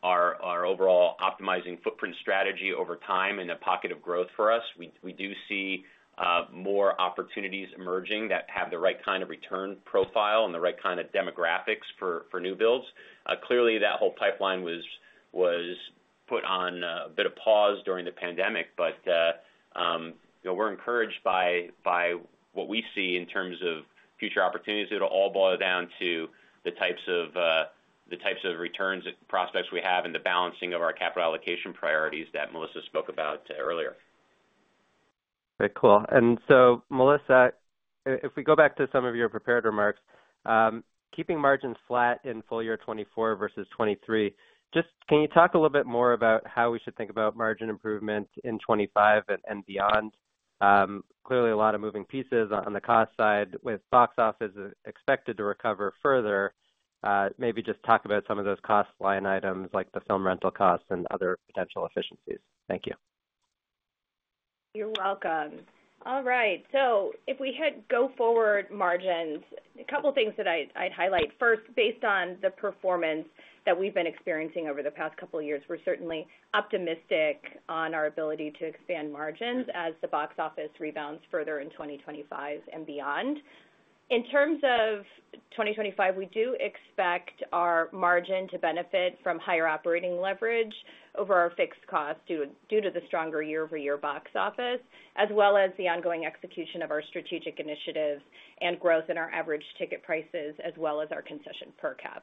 our overall optimizing footprint strategy over time and a pocket of growth for us. We do see more opportunities emerging that have the right kind of return profile and the right kind of demographics for new builds. Clearly, that whole pipeline was put on a bit of pause during the pandemic, but we're encouraged by what we see in terms of future opportunities. It'll all boil down to the types of returns and prospects we have and the balancing of our capital allocation priorities that Melissa spoke about earlier. Great. Cool. And so Melissa, if we go back to some of your prepared remarks, keeping margins flat in full year 2024 versus 2023, just can you talk a little bit more about how we should think about margin improvement in 2025 and beyond? Clearly, a lot of moving pieces on the cost side with box office expected to recover further. Maybe just talk about some of those cost line items like the film rental costs and other potential efficiencies. Thank you. You're welcome. All right. So if we had go-forward margins, a couple of things that I'd highlight. First, based on the performance that we've been experiencing over the past couple of years, we're certainly optimistic on our ability to expand margins as the box office rebounds further in 2025 and beyond. In terms of 2025, we do expect our margin to benefit from higher operating leverage over our fixed costs due to the stronger year-over-year box office, as well as the ongoing execution of our strategic initiatives and growth in our average ticket prices, as well as our concession per cap.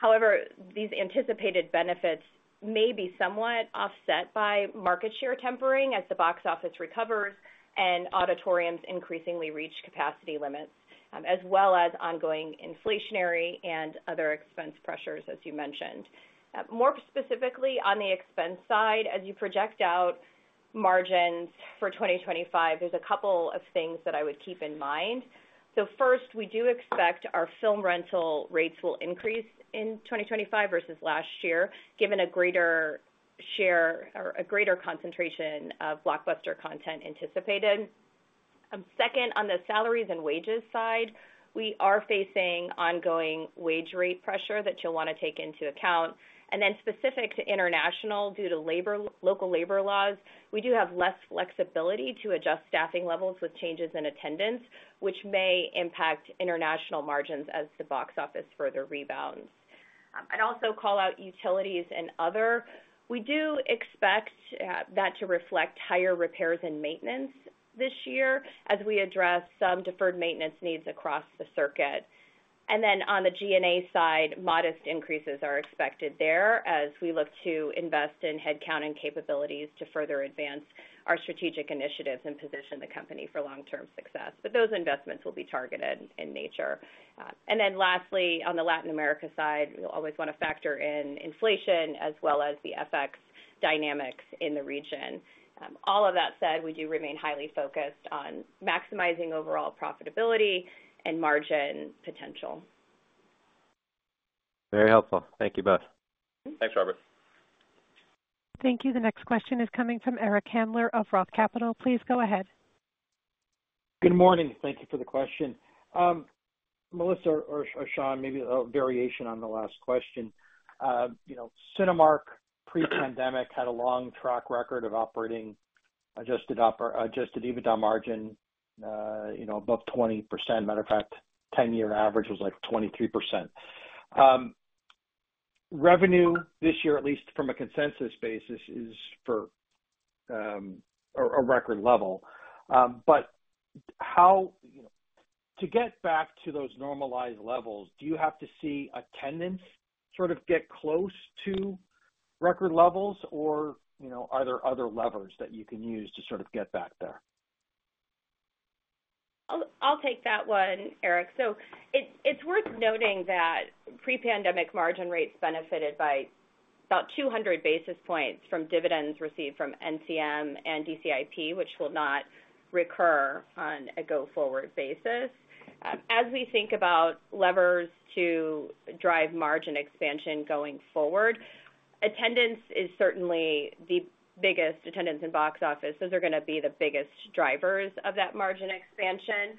However, these anticipated benefits may be somewhat offset by market share tempering as the box office recovers and auditoriums increasingly reach capacity limits, as well as ongoing inflationary and other expense pressures, as you mentioned. More specifically on the expense side, as you project out margins for 2025, there's a couple of things that I would keep in mind. So first, we do expect our film rental rates will increase in 2025 versus last year, given a greater share or a greater concentration of blockbuster content anticipated. Second, on the salaries and wages side, we are facing ongoing wage rate pressure that you'll want to take into account. And then specific to international, due to local labor laws, we do have less flexibility to adjust staffing levels with changes in attendance, which may impact international margins as the box office further rebounds. I'd also call out utilities and other. We do expect that to reflect higher repairs and maintenance this year as we address some deferred maintenance needs across the circuit. And then on the G&A side, modest increases are expected there as we look to invest in headcount and capabilities to further advance our strategic initiatives and position the company for long-term success. But those investments will be targeted in nature. And then lastly, on the Latin America side, we'll always want to factor in inflation as well as the FX dynamics in the region. All of that said, we do remain highly focused on maximizing overall profitability and margin potential. Very helpful. Thank you both. Thanks, Robert. Thank you. The next question is coming from Eric Handler of Roth Capital. Please go ahead. Good morning. Thank you for the question. Melissa or Sean, maybe a variation on the last question. Cinemark pre-pandemic had a long track record of operating Adjusted EBITDA margin above 20%. Matter of fact, 10-year average was like 23%. Revenue this year, at least from a consensus basis, is for a record level. But to get back to those normalized levels, do you have to see attendance sort of get close to record levels, or are there other levers that you can use to sort of get back there? I'll take that one, Eric. So it's worth noting that pre-pandemic margin rates benefited by about 200 basis points from dividends received from NCM and DCIP, which will not recur on a go forward basis. As we think about levers to drive margin expansion going forward, attendance is certainly the biggest. Attendance and box office, those are going to be the biggest drivers of that margin expansion.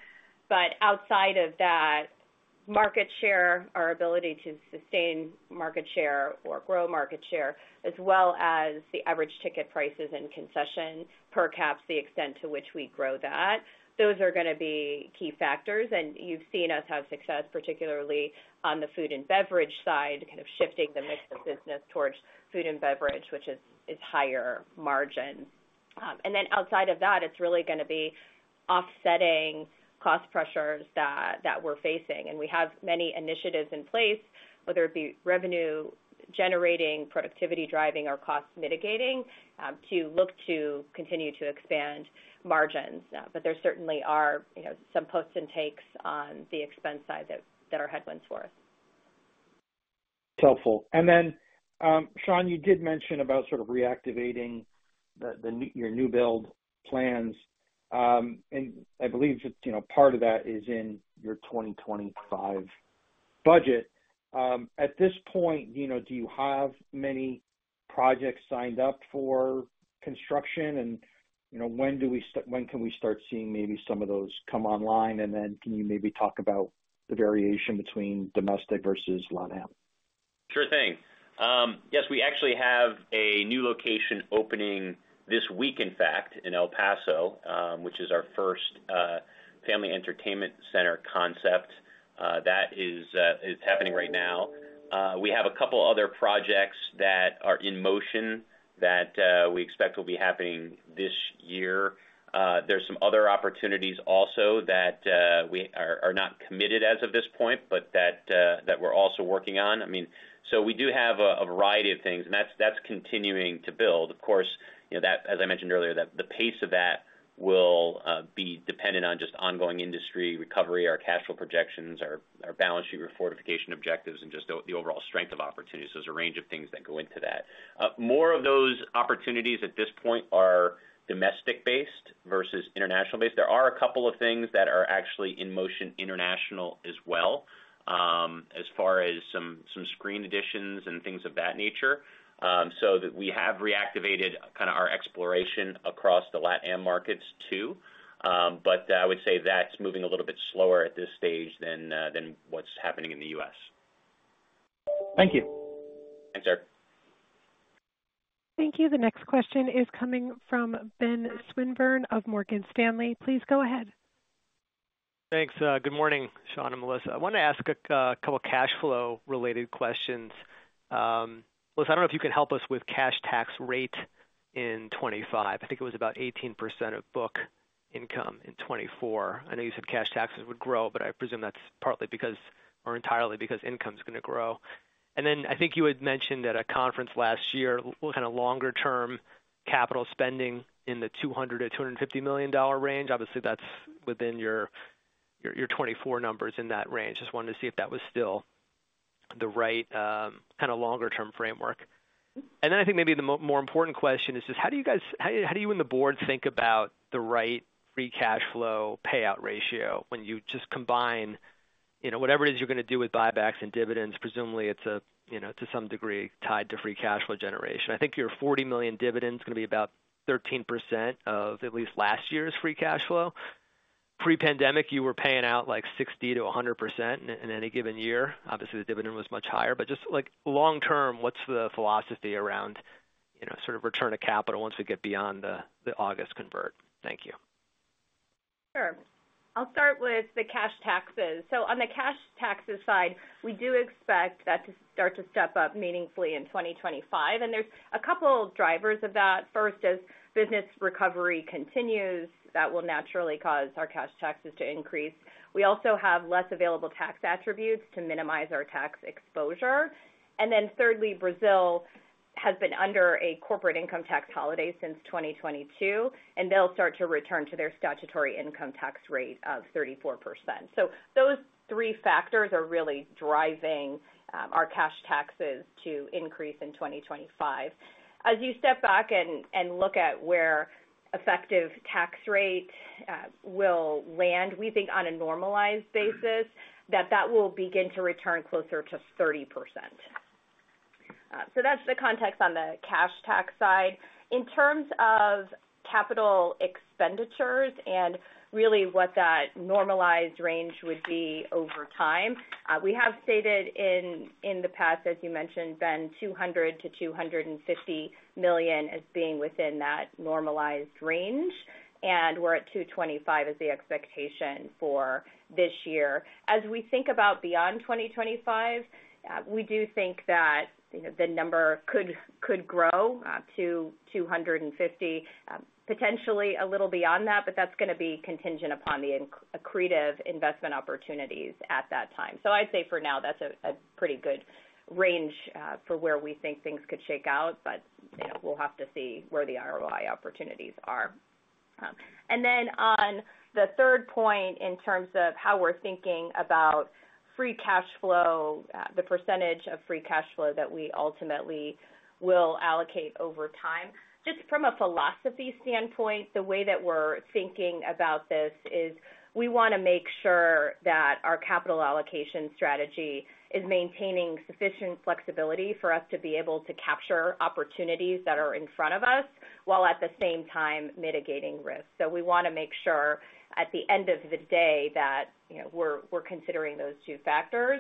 But outside of that, market share, our ability to sustain market share or grow market share, as well as the average ticket prices and concession per cap, the extent to which we grow that, those are going to be key factors. And you've seen us have success, particularly on the food and beverage side, kind of shifting the mix of business towards food and beverage, which is higher margins. And then outside of that, it's really going to be offsetting cost pressures that we're facing. And we have many initiatives in place, whether it be revenue-generating, productivity-driving, or cost-mitigating, to look to continue to expand margins. But there certainly are some costs and taxes on the expense side that are headwinds for us. Helpful. And then, Sean, you did mention about sort of reactivating your new build plans. And I believe part of that is in your 2025 budget. At this point, do you have many projects signed up for construction, and when can we start seeing maybe some of those come online? And then can you maybe talk about the variation between domestic versus Latin? Sure thing. Yes, we actually have a new location opening this week, in fact, in El Paso, which is our first family entertainment center concept. That is happening right now. We have a couple of other projects that are in motion that we expect will be happening this year. There's some other opportunities also that we are not committed as of this point, but that we're also working on. I mean, so we do have a variety of things, and that's continuing to build. Of course, as I mentioned earlier, the pace of that will be dependent on just ongoing industry recovery, our cash flow projections, our balance sheet refortification objectives, and just the overall strength of opportunities. There's a range of things that go into that. More of those opportunities at this point are domestic-based versus international-based. There are a couple of things that are actually in motion international as well, as far as some screen additions and things of that nature. So we have reactivated kind of our exploration across the Latin markets too, but I would say that's moving a little bit slower at this stage than what's happening in the U.S. Thank you. Thanks, Eric. Thank you. The next question is coming from Ben Swinburne of Morgan Stanley. Please go ahead. Thanks. Good morning, Sean and Melissa. I wanted to ask a couple of cash flow-related questions. Melissa, I don't know if you can help us with cash tax rate in 2025. I think it was about 18% of book income in 2024. I know you said cash taxes would grow, but I presume that's partly because or entirely because income is going to grow, and then I think you had mentioned at a conference last year kind of longer-term capital spending in the $200 million-$250 million range. Obviously, that's within your 2024 numbers in that range. Just wanted to see if that was still the right kind of longer-term framework, and then I think maybe the more important question is just how do you guys and the Board think about the right Free Cash Flow payout ratio when you just combine whatever it is you're going to do with buybacks and dividends? Presumably, it's to some degree tied to Free Cash Flow generation. I think your $40 million dividends are going to be about 13% of at least last year's Free Cash Flow. Pre-pandemic, you were paying out like 60%-100% in any given year. Obviously, the dividend was much higher. But just long term, what's the philosophy around sort of return to capital once we get beyond the August convert? Thank you. Sure. I'll start with the cash taxes. So on the cash taxes side, we do expect that to start to step up meaningfully in 2025, and there's a couple of drivers of that. First, as business recovery continues, that will naturally cause our cash taxes to increase. We also have less available tax attributes to minimize our tax exposure. Thirdly, Brazil has been under a corporate income tax holiday since 2022, and they'll start to return to their statutory income tax rate of 34%. So those three factors are really driving our cash taxes to increase in 2025. As you step back and look at where effective tax rate will land, we think on a normalized basis that that will begin to return closer to 30%. So that's the context on the cash tax side. In terms of capital expenditures and really what that normalized range would be over time, we have stated in the past, as you mentioned, Ben, $200 million-$250 million as being within that normalized range, and we're at $225 million as the expectation for this year. As we think about beyond 2025, we do think that the number could grow to 250, potentially a little beyond that, but that's going to be contingent upon the accretive investment opportunities at that time. So I'd say for now, that's a pretty good range for where we think things could shake out, but we'll have to see where the ROI opportunities are, and then on the third point in terms of how we're thinking about Free Cash Flow, the percentage of Free Cash Flow that we ultimately will allocate over time, just from a philosophy standpoint, the way that we're thinking about this is we want to make sure that our capital allocation strategy is maintaining sufficient flexibility for us to be able to capture opportunities that are in front of us while at the same time mitigating risk. We want to make sure at the end of the day that we're considering those two factors,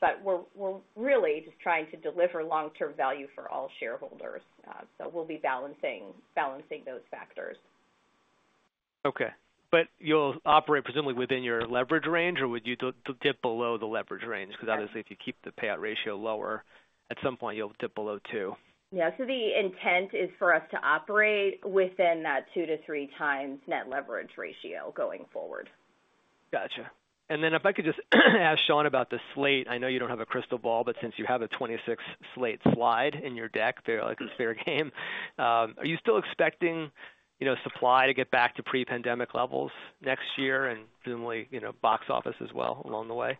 but we're really just trying to deliver long-term value for all shareholders. We'll be balancing those factors. Okay. But you'll operate presumably within your leverage range, or would you dip below the leverage range? Because obviously, if you keep the payout ratio lower, at some point you'll dip below two. Yeah. The intent is for us to operate within that two to three times net leverage ratio going forward. Gotcha. And then if I could just ask Sean about the slate. I know you don't have a crystal ball, but since you have a 2026 slate slide in your deck, fair game. Are you still expecting supply to get back to pre-pandemic levels next year and presumably box office as well along the way?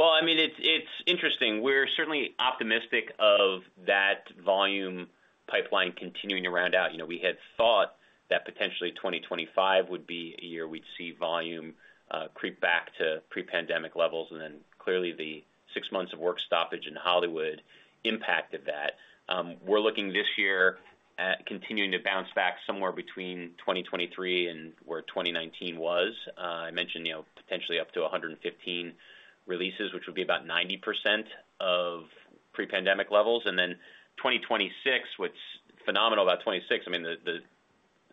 Well, I mean, it's interesting. We're certainly optimistic of that volume pipeline continuing to round out. We had thought that potentially 2025 would be a year we'd see volume creep back to pre-pandemic levels, and then clearly the six months of work stoppage in Hollywood impacted that. We're looking this year at continuing to bounce back somewhere between 2023 and where 2019 was. I mentioned potentially up to 115 releases, which would be about 90% of pre-pandemic levels. And then 2026, what's phenomenal about '26, I mean,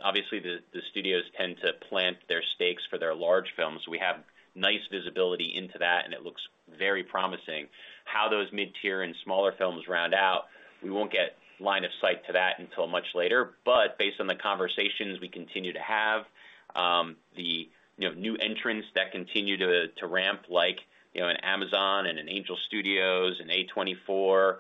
obviously the studios tend to plant their stakes for their large films. We have nice visibility into that, and it looks very promising. How those mid-tier and smaller films round out, we won't get line of sight to that until much later. But based on the conversations we continue to have, the new entrants that continue to ramp like an Amazon and an Angel Studios and A24,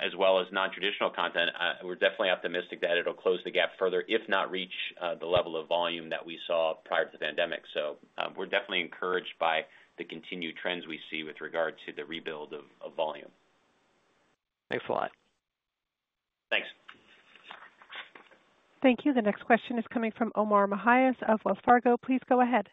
as well as non-traditional content, we're definitely optimistic that it'll close the gap further, if not reach the level of volume that we saw prior to the pandemic. So we're definitely encouraged by the continued trends we see with regard to the rebuild of volume. Thanks a lot. Thanks. Thank you. The next question is coming from Omar Mejias of Wells Fargo. Please go ahead.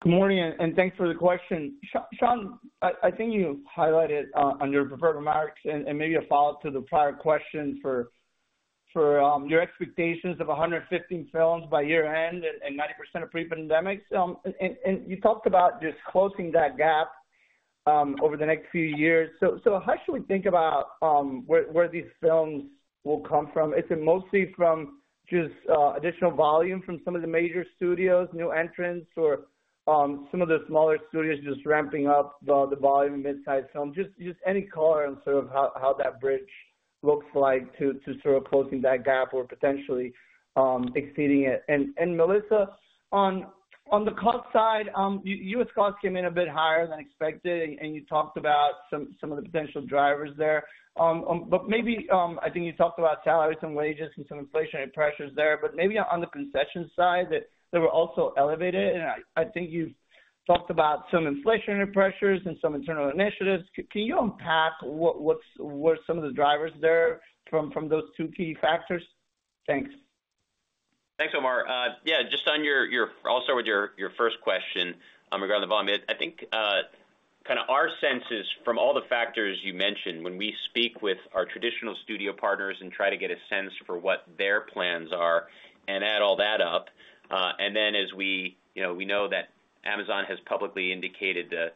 Good morning, and thanks for the question. Sean, I think you highlighted under prepared remarks and maybe a follow-up to the prior question for your expectations of 115 films by year-end and 90% of pre-pandemic. And you talked about just closing that gap over the next few years. So how should we think about where these films will come from? Is it mostly from just additional volume from some of the major studios, new entrants, or some of the smaller studios just ramping up the volume of mid-sized films? Just any color on sort of how that bridge looks like to sort of closing that gap or potentially exceeding it. And Melissa, on the cost side, U.S. costs came in a bit higher than expected, and you talked about some of the potential drivers there. But maybe I think you talked about salaries and wages and some inflationary pressures there. But maybe on the concession side, they were also elevated. And I think you've talked about some inflationary pressures and some internal initiatives. Can you unpack what were some of the drivers there from those two key factors? Thanks. Thanks, Omar. Yeah, I'll start with your first question regarding the volume. I think kind of our sense is from all the factors you mentioned, when we speak with our traditional studio partners and try to get a sense for what their plans are and add all that up. And then as we know that Amazon has publicly indicated the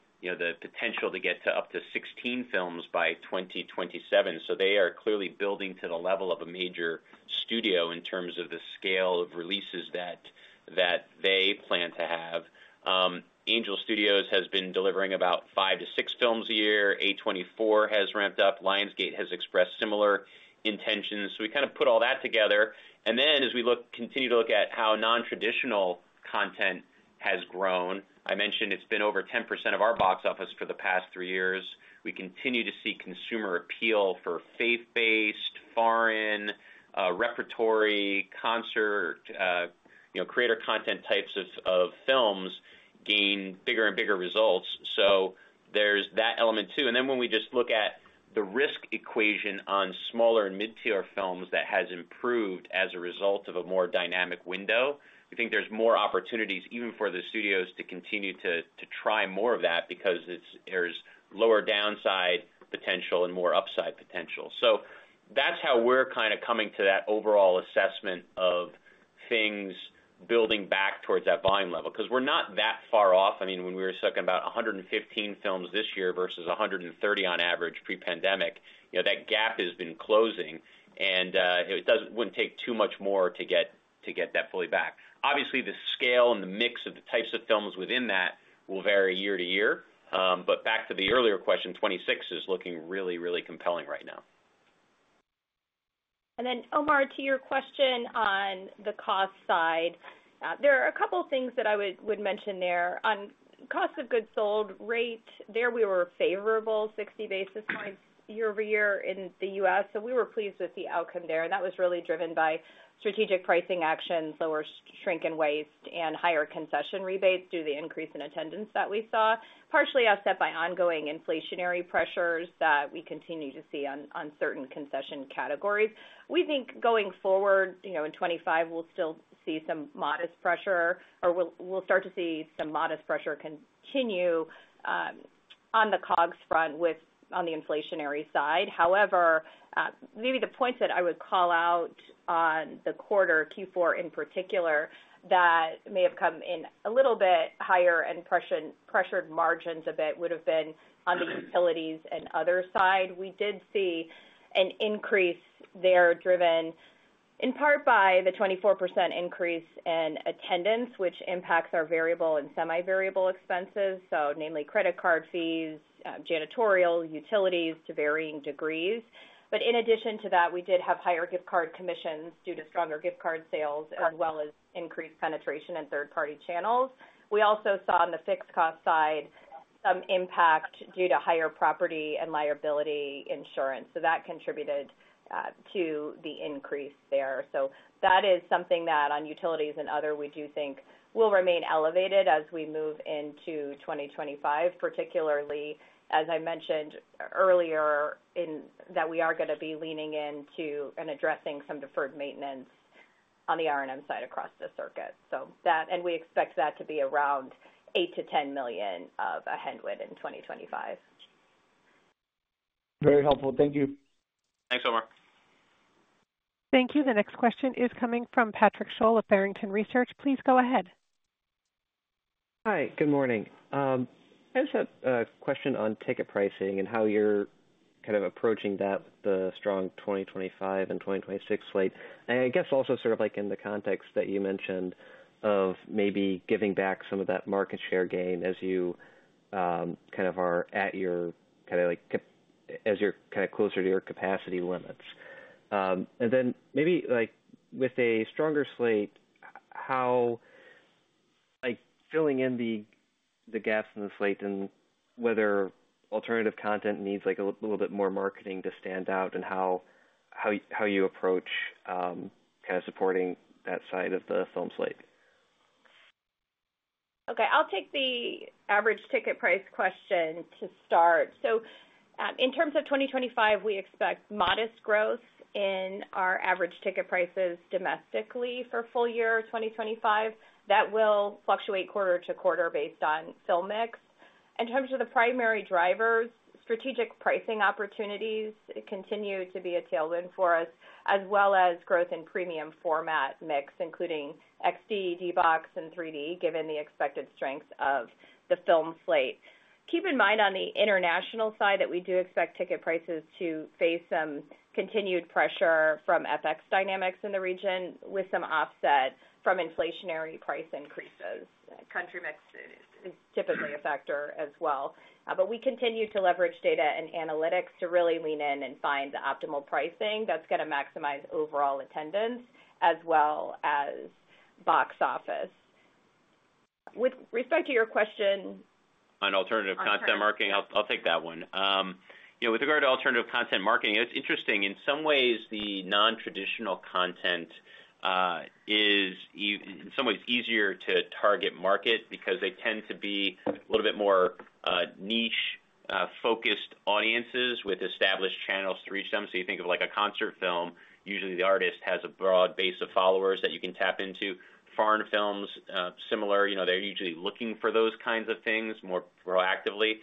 potential to get to up to 16 films by 2027. So they are clearly building to the level of a major studio in terms of the scale of releases that they plan to have. Angel Studios has been delivering about five to six films a year. A24 has ramped up. Lionsgate has expressed similar intentions. So we kind of put all that together. And then as we continue to look at how non-traditional content has grown, I mentioned it's been over 10% of our box office for the past three years. We continue to see consumer appeal for faith-based, foreign, repertory, concert, creator content types of films gain bigger and bigger results, so there's that element too, and then when we just look at the risk equation on smaller and mid-tier films that has improved as a result of a more dynamic window, we think there's more opportunities even for the studios to continue to try more of that because there's lower downside potential and more upside potential, so that's how we're kind of coming to that overall assessment of things building back towards that volume level. Because we're not that far off. I mean, when we were talking about 115 films this year versus 130 on average pre-pandemic, that gap has been closing, and it wouldn't take too much more to get that fully back. Obviously, the scale and the mix of the types of films within that will vary year to year. But back to the earlier question, 2026 is looking really, really compelling right now. And then, Omar, to your question on the cost side, there are a couple of things that I would mention there. On cost of goods sold rate, there we were favorable 60 basis points year over year in the U.S. So we were pleased with the outcome there. And that was really driven by strategic pricing actions, lower shrink in waste, and higher concession rebates due to the increase in attendance that we saw, partially offset by ongoing inflationary pressures that we continue to see on certain concession categories. We think going forward in 2025, we'll still see some modest pressure or we'll start to see some modest pressure continue on the COGS front on the inflationary side. However, maybe the points that I would call out on the quarter, Q4 in particular, that may have come in a little bit higher and pressured margins a bit would have been on the utilities and other side. We did see an increase there driven in part by the 24% increase in attendance, which impacts our variable and semi-variable expenses, so namely credit card fees, janitorial, utilities to varying degrees. But in addition to that, we did have higher gift card commissions due to stronger gift card sales as well as increased penetration in third-party channels. We also saw on the fixed cost side some impact due to higher property and liability insurance. So that contributed to the increase there. So that is something that on utilities and other, we do think will remain elevated as we move into 2025, particularly, as I mentioned earlier, that we are going to be leaning into and addressing some deferred maintenance on the R&M side across the circuit. And we expect that to be around $8 million-$10 million of a headwind in 2025. Very helpful. Thank you. Thanks, Omar. Thank you. The next question is coming from Patrick Sholl of Barrington Research. Please go ahead. Hi. Good morning. I just have a question on ticket pricing and how you're kind of approaching that with the strong 2025 and 2026 slate. And I guess also sort of like in the context that you mentioned of maybe giving back some of that market share gain as you're kind of closer to your capacity limits. And then maybe with a stronger slate, how filling in the gaps in the slate and whether alternative content needs a little bit more marketing to stand out and how you approach kind of supporting that side of the film slate? Okay. I'll take the average ticket price question to start. So in terms of 2025, we expect modest growth in our average ticket prices domestically for full year 2025. That will fluctuate quarter to quarter based on film mix. In terms of the primary drivers, strategic pricing opportunities continue to be a tailwind for us, as well as growth in premium format mix, including XD, D-BOX, and 3D, given the expected strength of the film slate. Keep in mind on the international side that we do expect ticket prices to face some continued pressure from FX dynamics in the region with some offset from inflationary price increases. Country mix is typically a factor as well. But we continue to leverage data and analytics to really lean in and find the optimal pricing that's going to maximize overall attendance as well as box office. With respect to your question. On alternative content marketing, I'll take that one. With regard to alternative content marketing, it's interesting. In some ways, the non-traditional content is in some ways easier to target market because they tend to be a little bit more niche-focused audiences with established channels to reach them. So you think of a concert film, usually the artist has a broad base of followers that you can tap into. Foreign films, similar, they're usually looking for those kinds of things more proactively.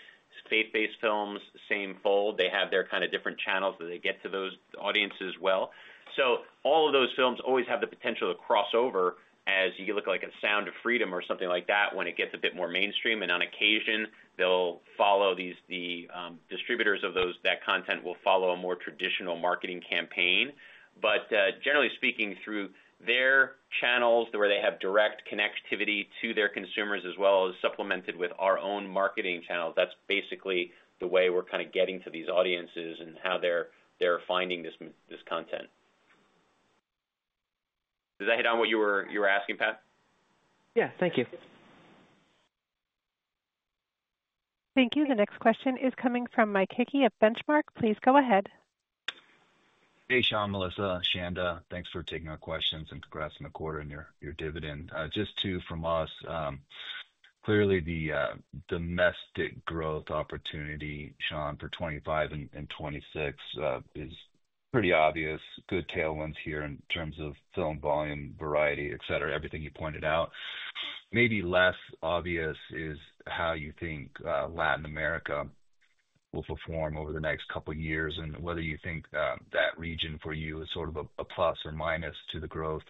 Faith-based films, same boat. They have their kind of different channels that they get to those audiences well. So all of those films always have the potential to crossover as you look like a Sound of Freedom or something like that when it gets a bit more mainstream. And on occasion, they'll follow the distributors of that content will follow a more traditional marketing campaign. But generally speaking, through their channels, where they have direct connectivity to their consumers as well as supplemented with our own marketing channels, that's basically the way we're kind of getting to these audiences and how they're finding this content. Does that hit on what you were asking, Pat? Yeah. Thank you. Thank you. The next question is coming from Mike Hickey at Benchmark. Please go ahead. Hey, Sean, Melissa, Chanda. Thanks for taking our questions and congrats on the quarter and your dividend. Just two from us. Clearly, the domestic growth opportunity, Sean, for 2025 and 2026 is pretty obvious. Good tailwinds here in terms of film volume, variety, etc., everything you pointed out. Maybe less obvious is how you think Latin America will perform over the next couple of years and whether you think that region for you is sort of a plus or minus to the growth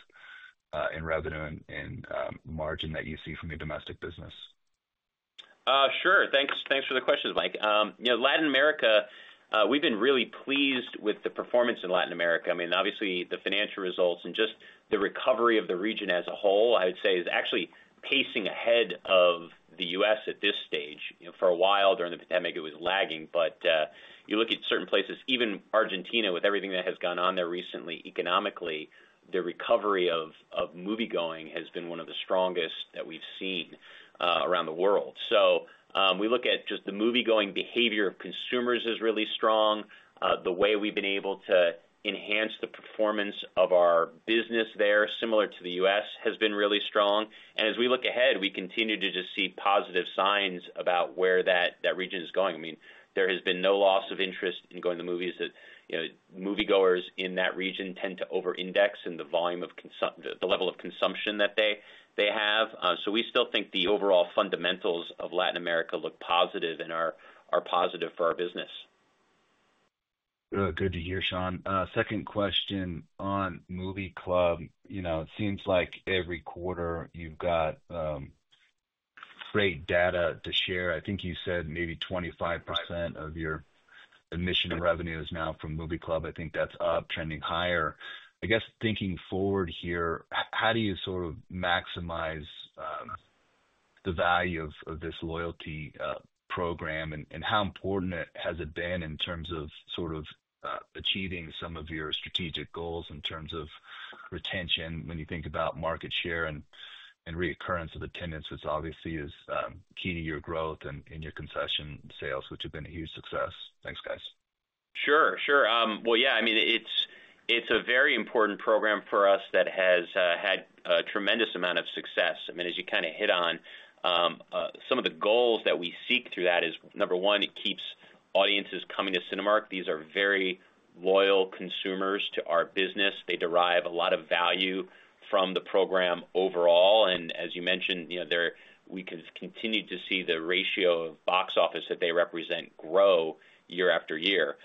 in revenue and margin that you see from your domestic business. Sure. Thanks for the questions, Mike. Latin America, we've been really pleased with the performance in Latin America. I mean, obviously, the financial results and just the recovery of the region as a whole, I would say, is actually pacing ahead of the U.S. at this stage. For a while during the pandemic, it was lagging. But you look at certain places, even Argentina with everything that has gone on there recently, economically, the recovery of movie-going has been one of the strongest that we've seen around the world. So we look at just the movie-going behavior of consumers is really strong. The way we've been able to enhance the performance of our business there, similar to the U.S., has been really strong. And as we look ahead, we continue to just see positive signs about where that region is going. I mean, there has been no loss of interest in going to the movies that moviegoers in that region tend to over-index in the volume of the level of consumption that they have. So we still think the overall fundamentals of Latin America look positive and are positive for our business. Good to hear, Sean. Second question on movie club. It seems like every quarter you've got great data to share. I think you said maybe 25% of your admission revenue is now from movie club. I think that's up, trending higher. I guess thinking forward here, how do you sort of maximize the value of this loyalty program and how important has it been in terms of sort of achieving some of your strategic goals in terms of retention when you think about market share and reoccurrence of attendance, which obviously is key to your growth and your concession sales, which have been a huge success? Thanks, guys. Sure. Sure. Well, yeah, I mean, it's a very important program for us that has had a tremendous amount of success. I mean, as you kind of hit on, some of the goals that we seek through that is, number one, it keeps audiences coming to Cinemark. These are very loyal consumers to our business. They derive a lot of value from the program overall. As you mentioned, we can continue to see the ratio of box office that they represent grow year after year.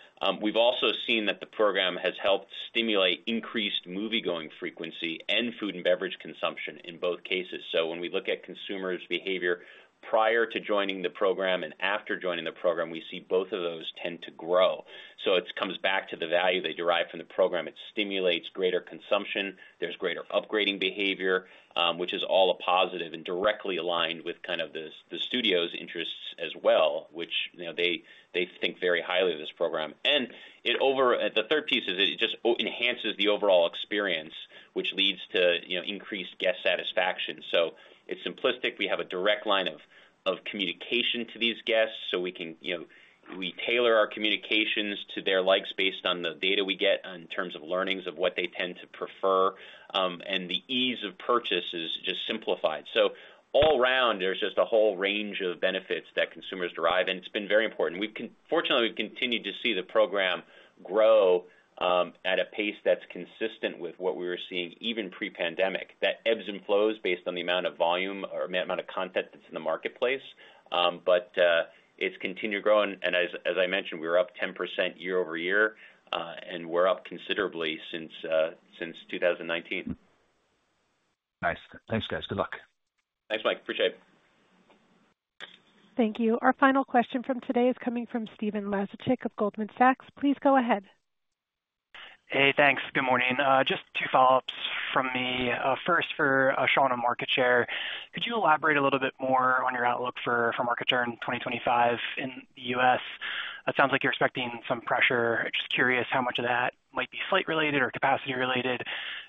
We've also seen that the program has helped stimulate increased movie-going frequency and food and beverage consumption in both cases. When we look at consumers' behavior prior to joining the program and after joining the program, we see both of those tend to grow. It comes back to the value they derive from the program. It stimulates greater consumption. There's greater upgrading behavior, which is all a positive and directly aligned with kind of the studio's interests as well, which they think very highly of this program. The third piece is it just enhances the overall experience, which leads to increased guest satisfaction. It's simplistic. We have a direct line of communication to these guests. So we tailor our communications to their likes based on the data we get in terms of learnings of what they tend to prefer. And the ease of purchase is just simplified. So all around, there's just a whole range of benefits that consumers derive. And it's been very important. Fortunately, we've continued to see the program grow at a pace that's consistent with what we were seeing even pre-pandemic. That ebbs and flows based on the amount of volume or amount of content that's in the marketplace. But it's continued to grow. And as I mentioned, we were up 10% year over year. And we're up considerably since 2019. Nice. Thanks, guys. Good luck. Thanks, Mike. Appreciate it. Thank you. Our final question from today is coming from Stephen Laszczyk of Goldman Sachs. Please go ahead. Hey, thanks. Good morning. Just two follow-ups from me. First, for Sean on market share, could you elaborate a little bit more on your outlook for market share in 2025 in the U.S.? It sounds like you're expecting some pressure. Just curious how much of that might be slate-related or capacity-related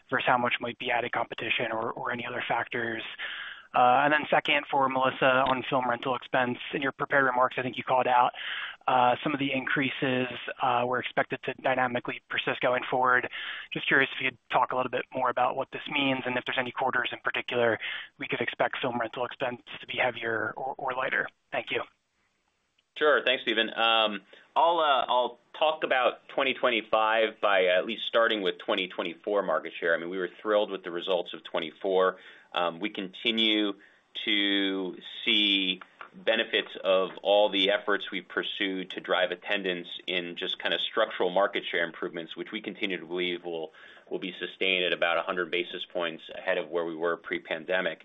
versus how much might be added competition or any other factors. And then second, for Melissa on film rental expense. In your prepared remarks, I think you called out some of the increases we're expected to dynamically persist going forward. Just curious if you'd talk a little bit more about what this means and if there's any quarters in particular we could expect film rental expense to be heavier or lighter. Thank you. Sure. Thanks, Stephen. I'll talk about 2025 by at least starting with 2024 market share. I mean, we were thrilled with the results of 2024. We continue to see benefits of all the efforts we've pursued to drive attendance in just kind of structural market share improvements, which we continue to believe will be sustained at about 100 basis points ahead of where we were pre-pandemic.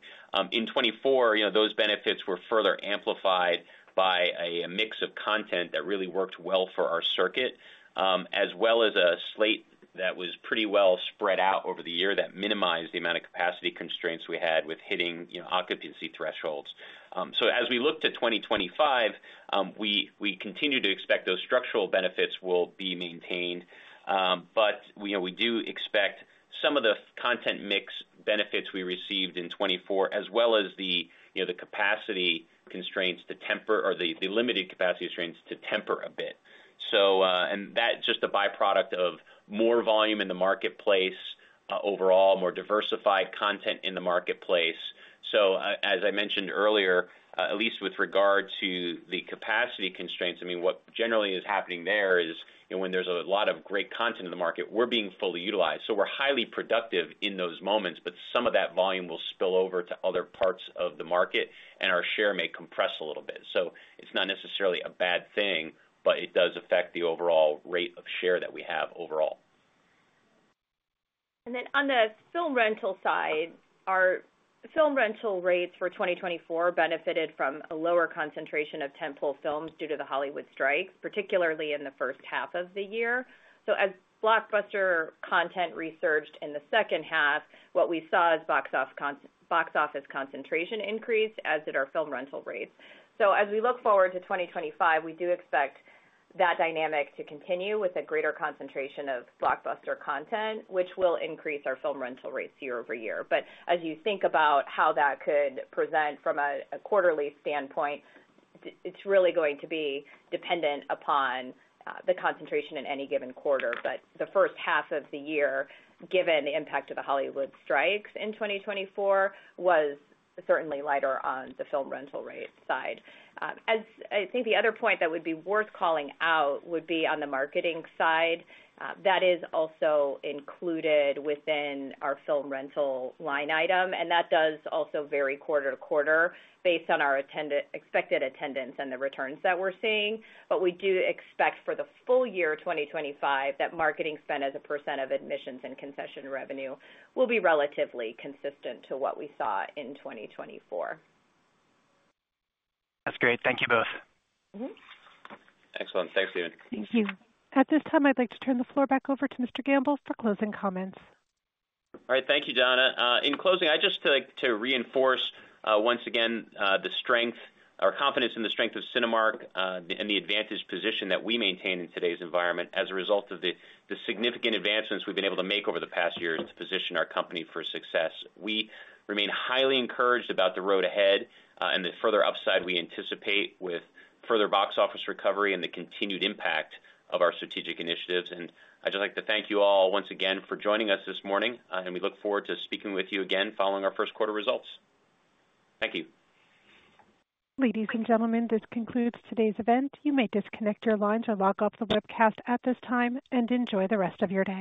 In 2024, those benefits were further amplified by a mix of content that really worked well for our circuit, as well as a slate that was pretty well spread out over the year that minimized the amount of capacity constraints we had with hitting occupancy thresholds. So as we look to 2025, we continue to expect those structural benefits will be maintained. But we do expect some of the content mix benefits we received in 2024, as well as the limited capacity constraints to temper a bit. And that's just a byproduct of more volume in the marketplace overall, more diversified content in the marketplace. So as I mentioned earlier, at least with regard to the capacity constraints, I mean, what generally is happening there is when there's a lot of great content in the market, we're being fully utilized. So we're highly productive in those moments, but some of that volume will spill over to other parts of the market, and our share may compress a little bit. So it's not necessarily a bad thing, but it does affect the overall rate of share that we have overall. And then on the film rental side, our film rental rates for 2024 benefited from a lower concentration of tentpole films due to the Hollywood strikes, particularly in the first half of the year. So as blockbuster content resurged in the second half, what we saw is box office concentration increased as did our film rental rates. So as we look forward to 2025, we do expect that dynamic to continue with a greater concentration of blockbuster content, which will increase our film rental rates year over year. But as you think about how that could present from a quarterly standpoint, it's really going to be dependent upon the concentration in any given quarter. But the first half of the year, given the impact of the Hollywood strikes in 2024, was certainly lighter on the film rental rate side. I think the other point that would be worth calling out would be on the marketing side. That is also included within our film rental line item. And that does also vary quarter to quarter based on our expected attendance and the returns that we're seeing. But we do expect for the full year 2025 that marketing spend as a % of admissions and concession revenue will be relatively consistent to what we saw in 2024. That's great. Thank you both. Excellent. Thanks, Stephen. Thank you. At this time, I'd like to turn the floor back over to Mr. Gamble for closing comments. All right. Thank you, Chanda. In closing, I just like to reinforce once again the strength or confidence in the strength of Cinemark and the advantaged position that we maintain in today's environment as a result of the significant advancements we've been able to make over the past years to position our company for success. We remain highly encouraged about the road ahead and the further upside we anticipate with further box office recovery and the continued impact of our strategic initiatives, and I'd just like to thank you all once again for joining us this morning, and we look forward to speaking with you again following our first quarter results. Thank you. Ladies and gentlemen, this concludes today's event. You may disconnect your lines or lock up the webcast at this time and enjoy the rest of your day.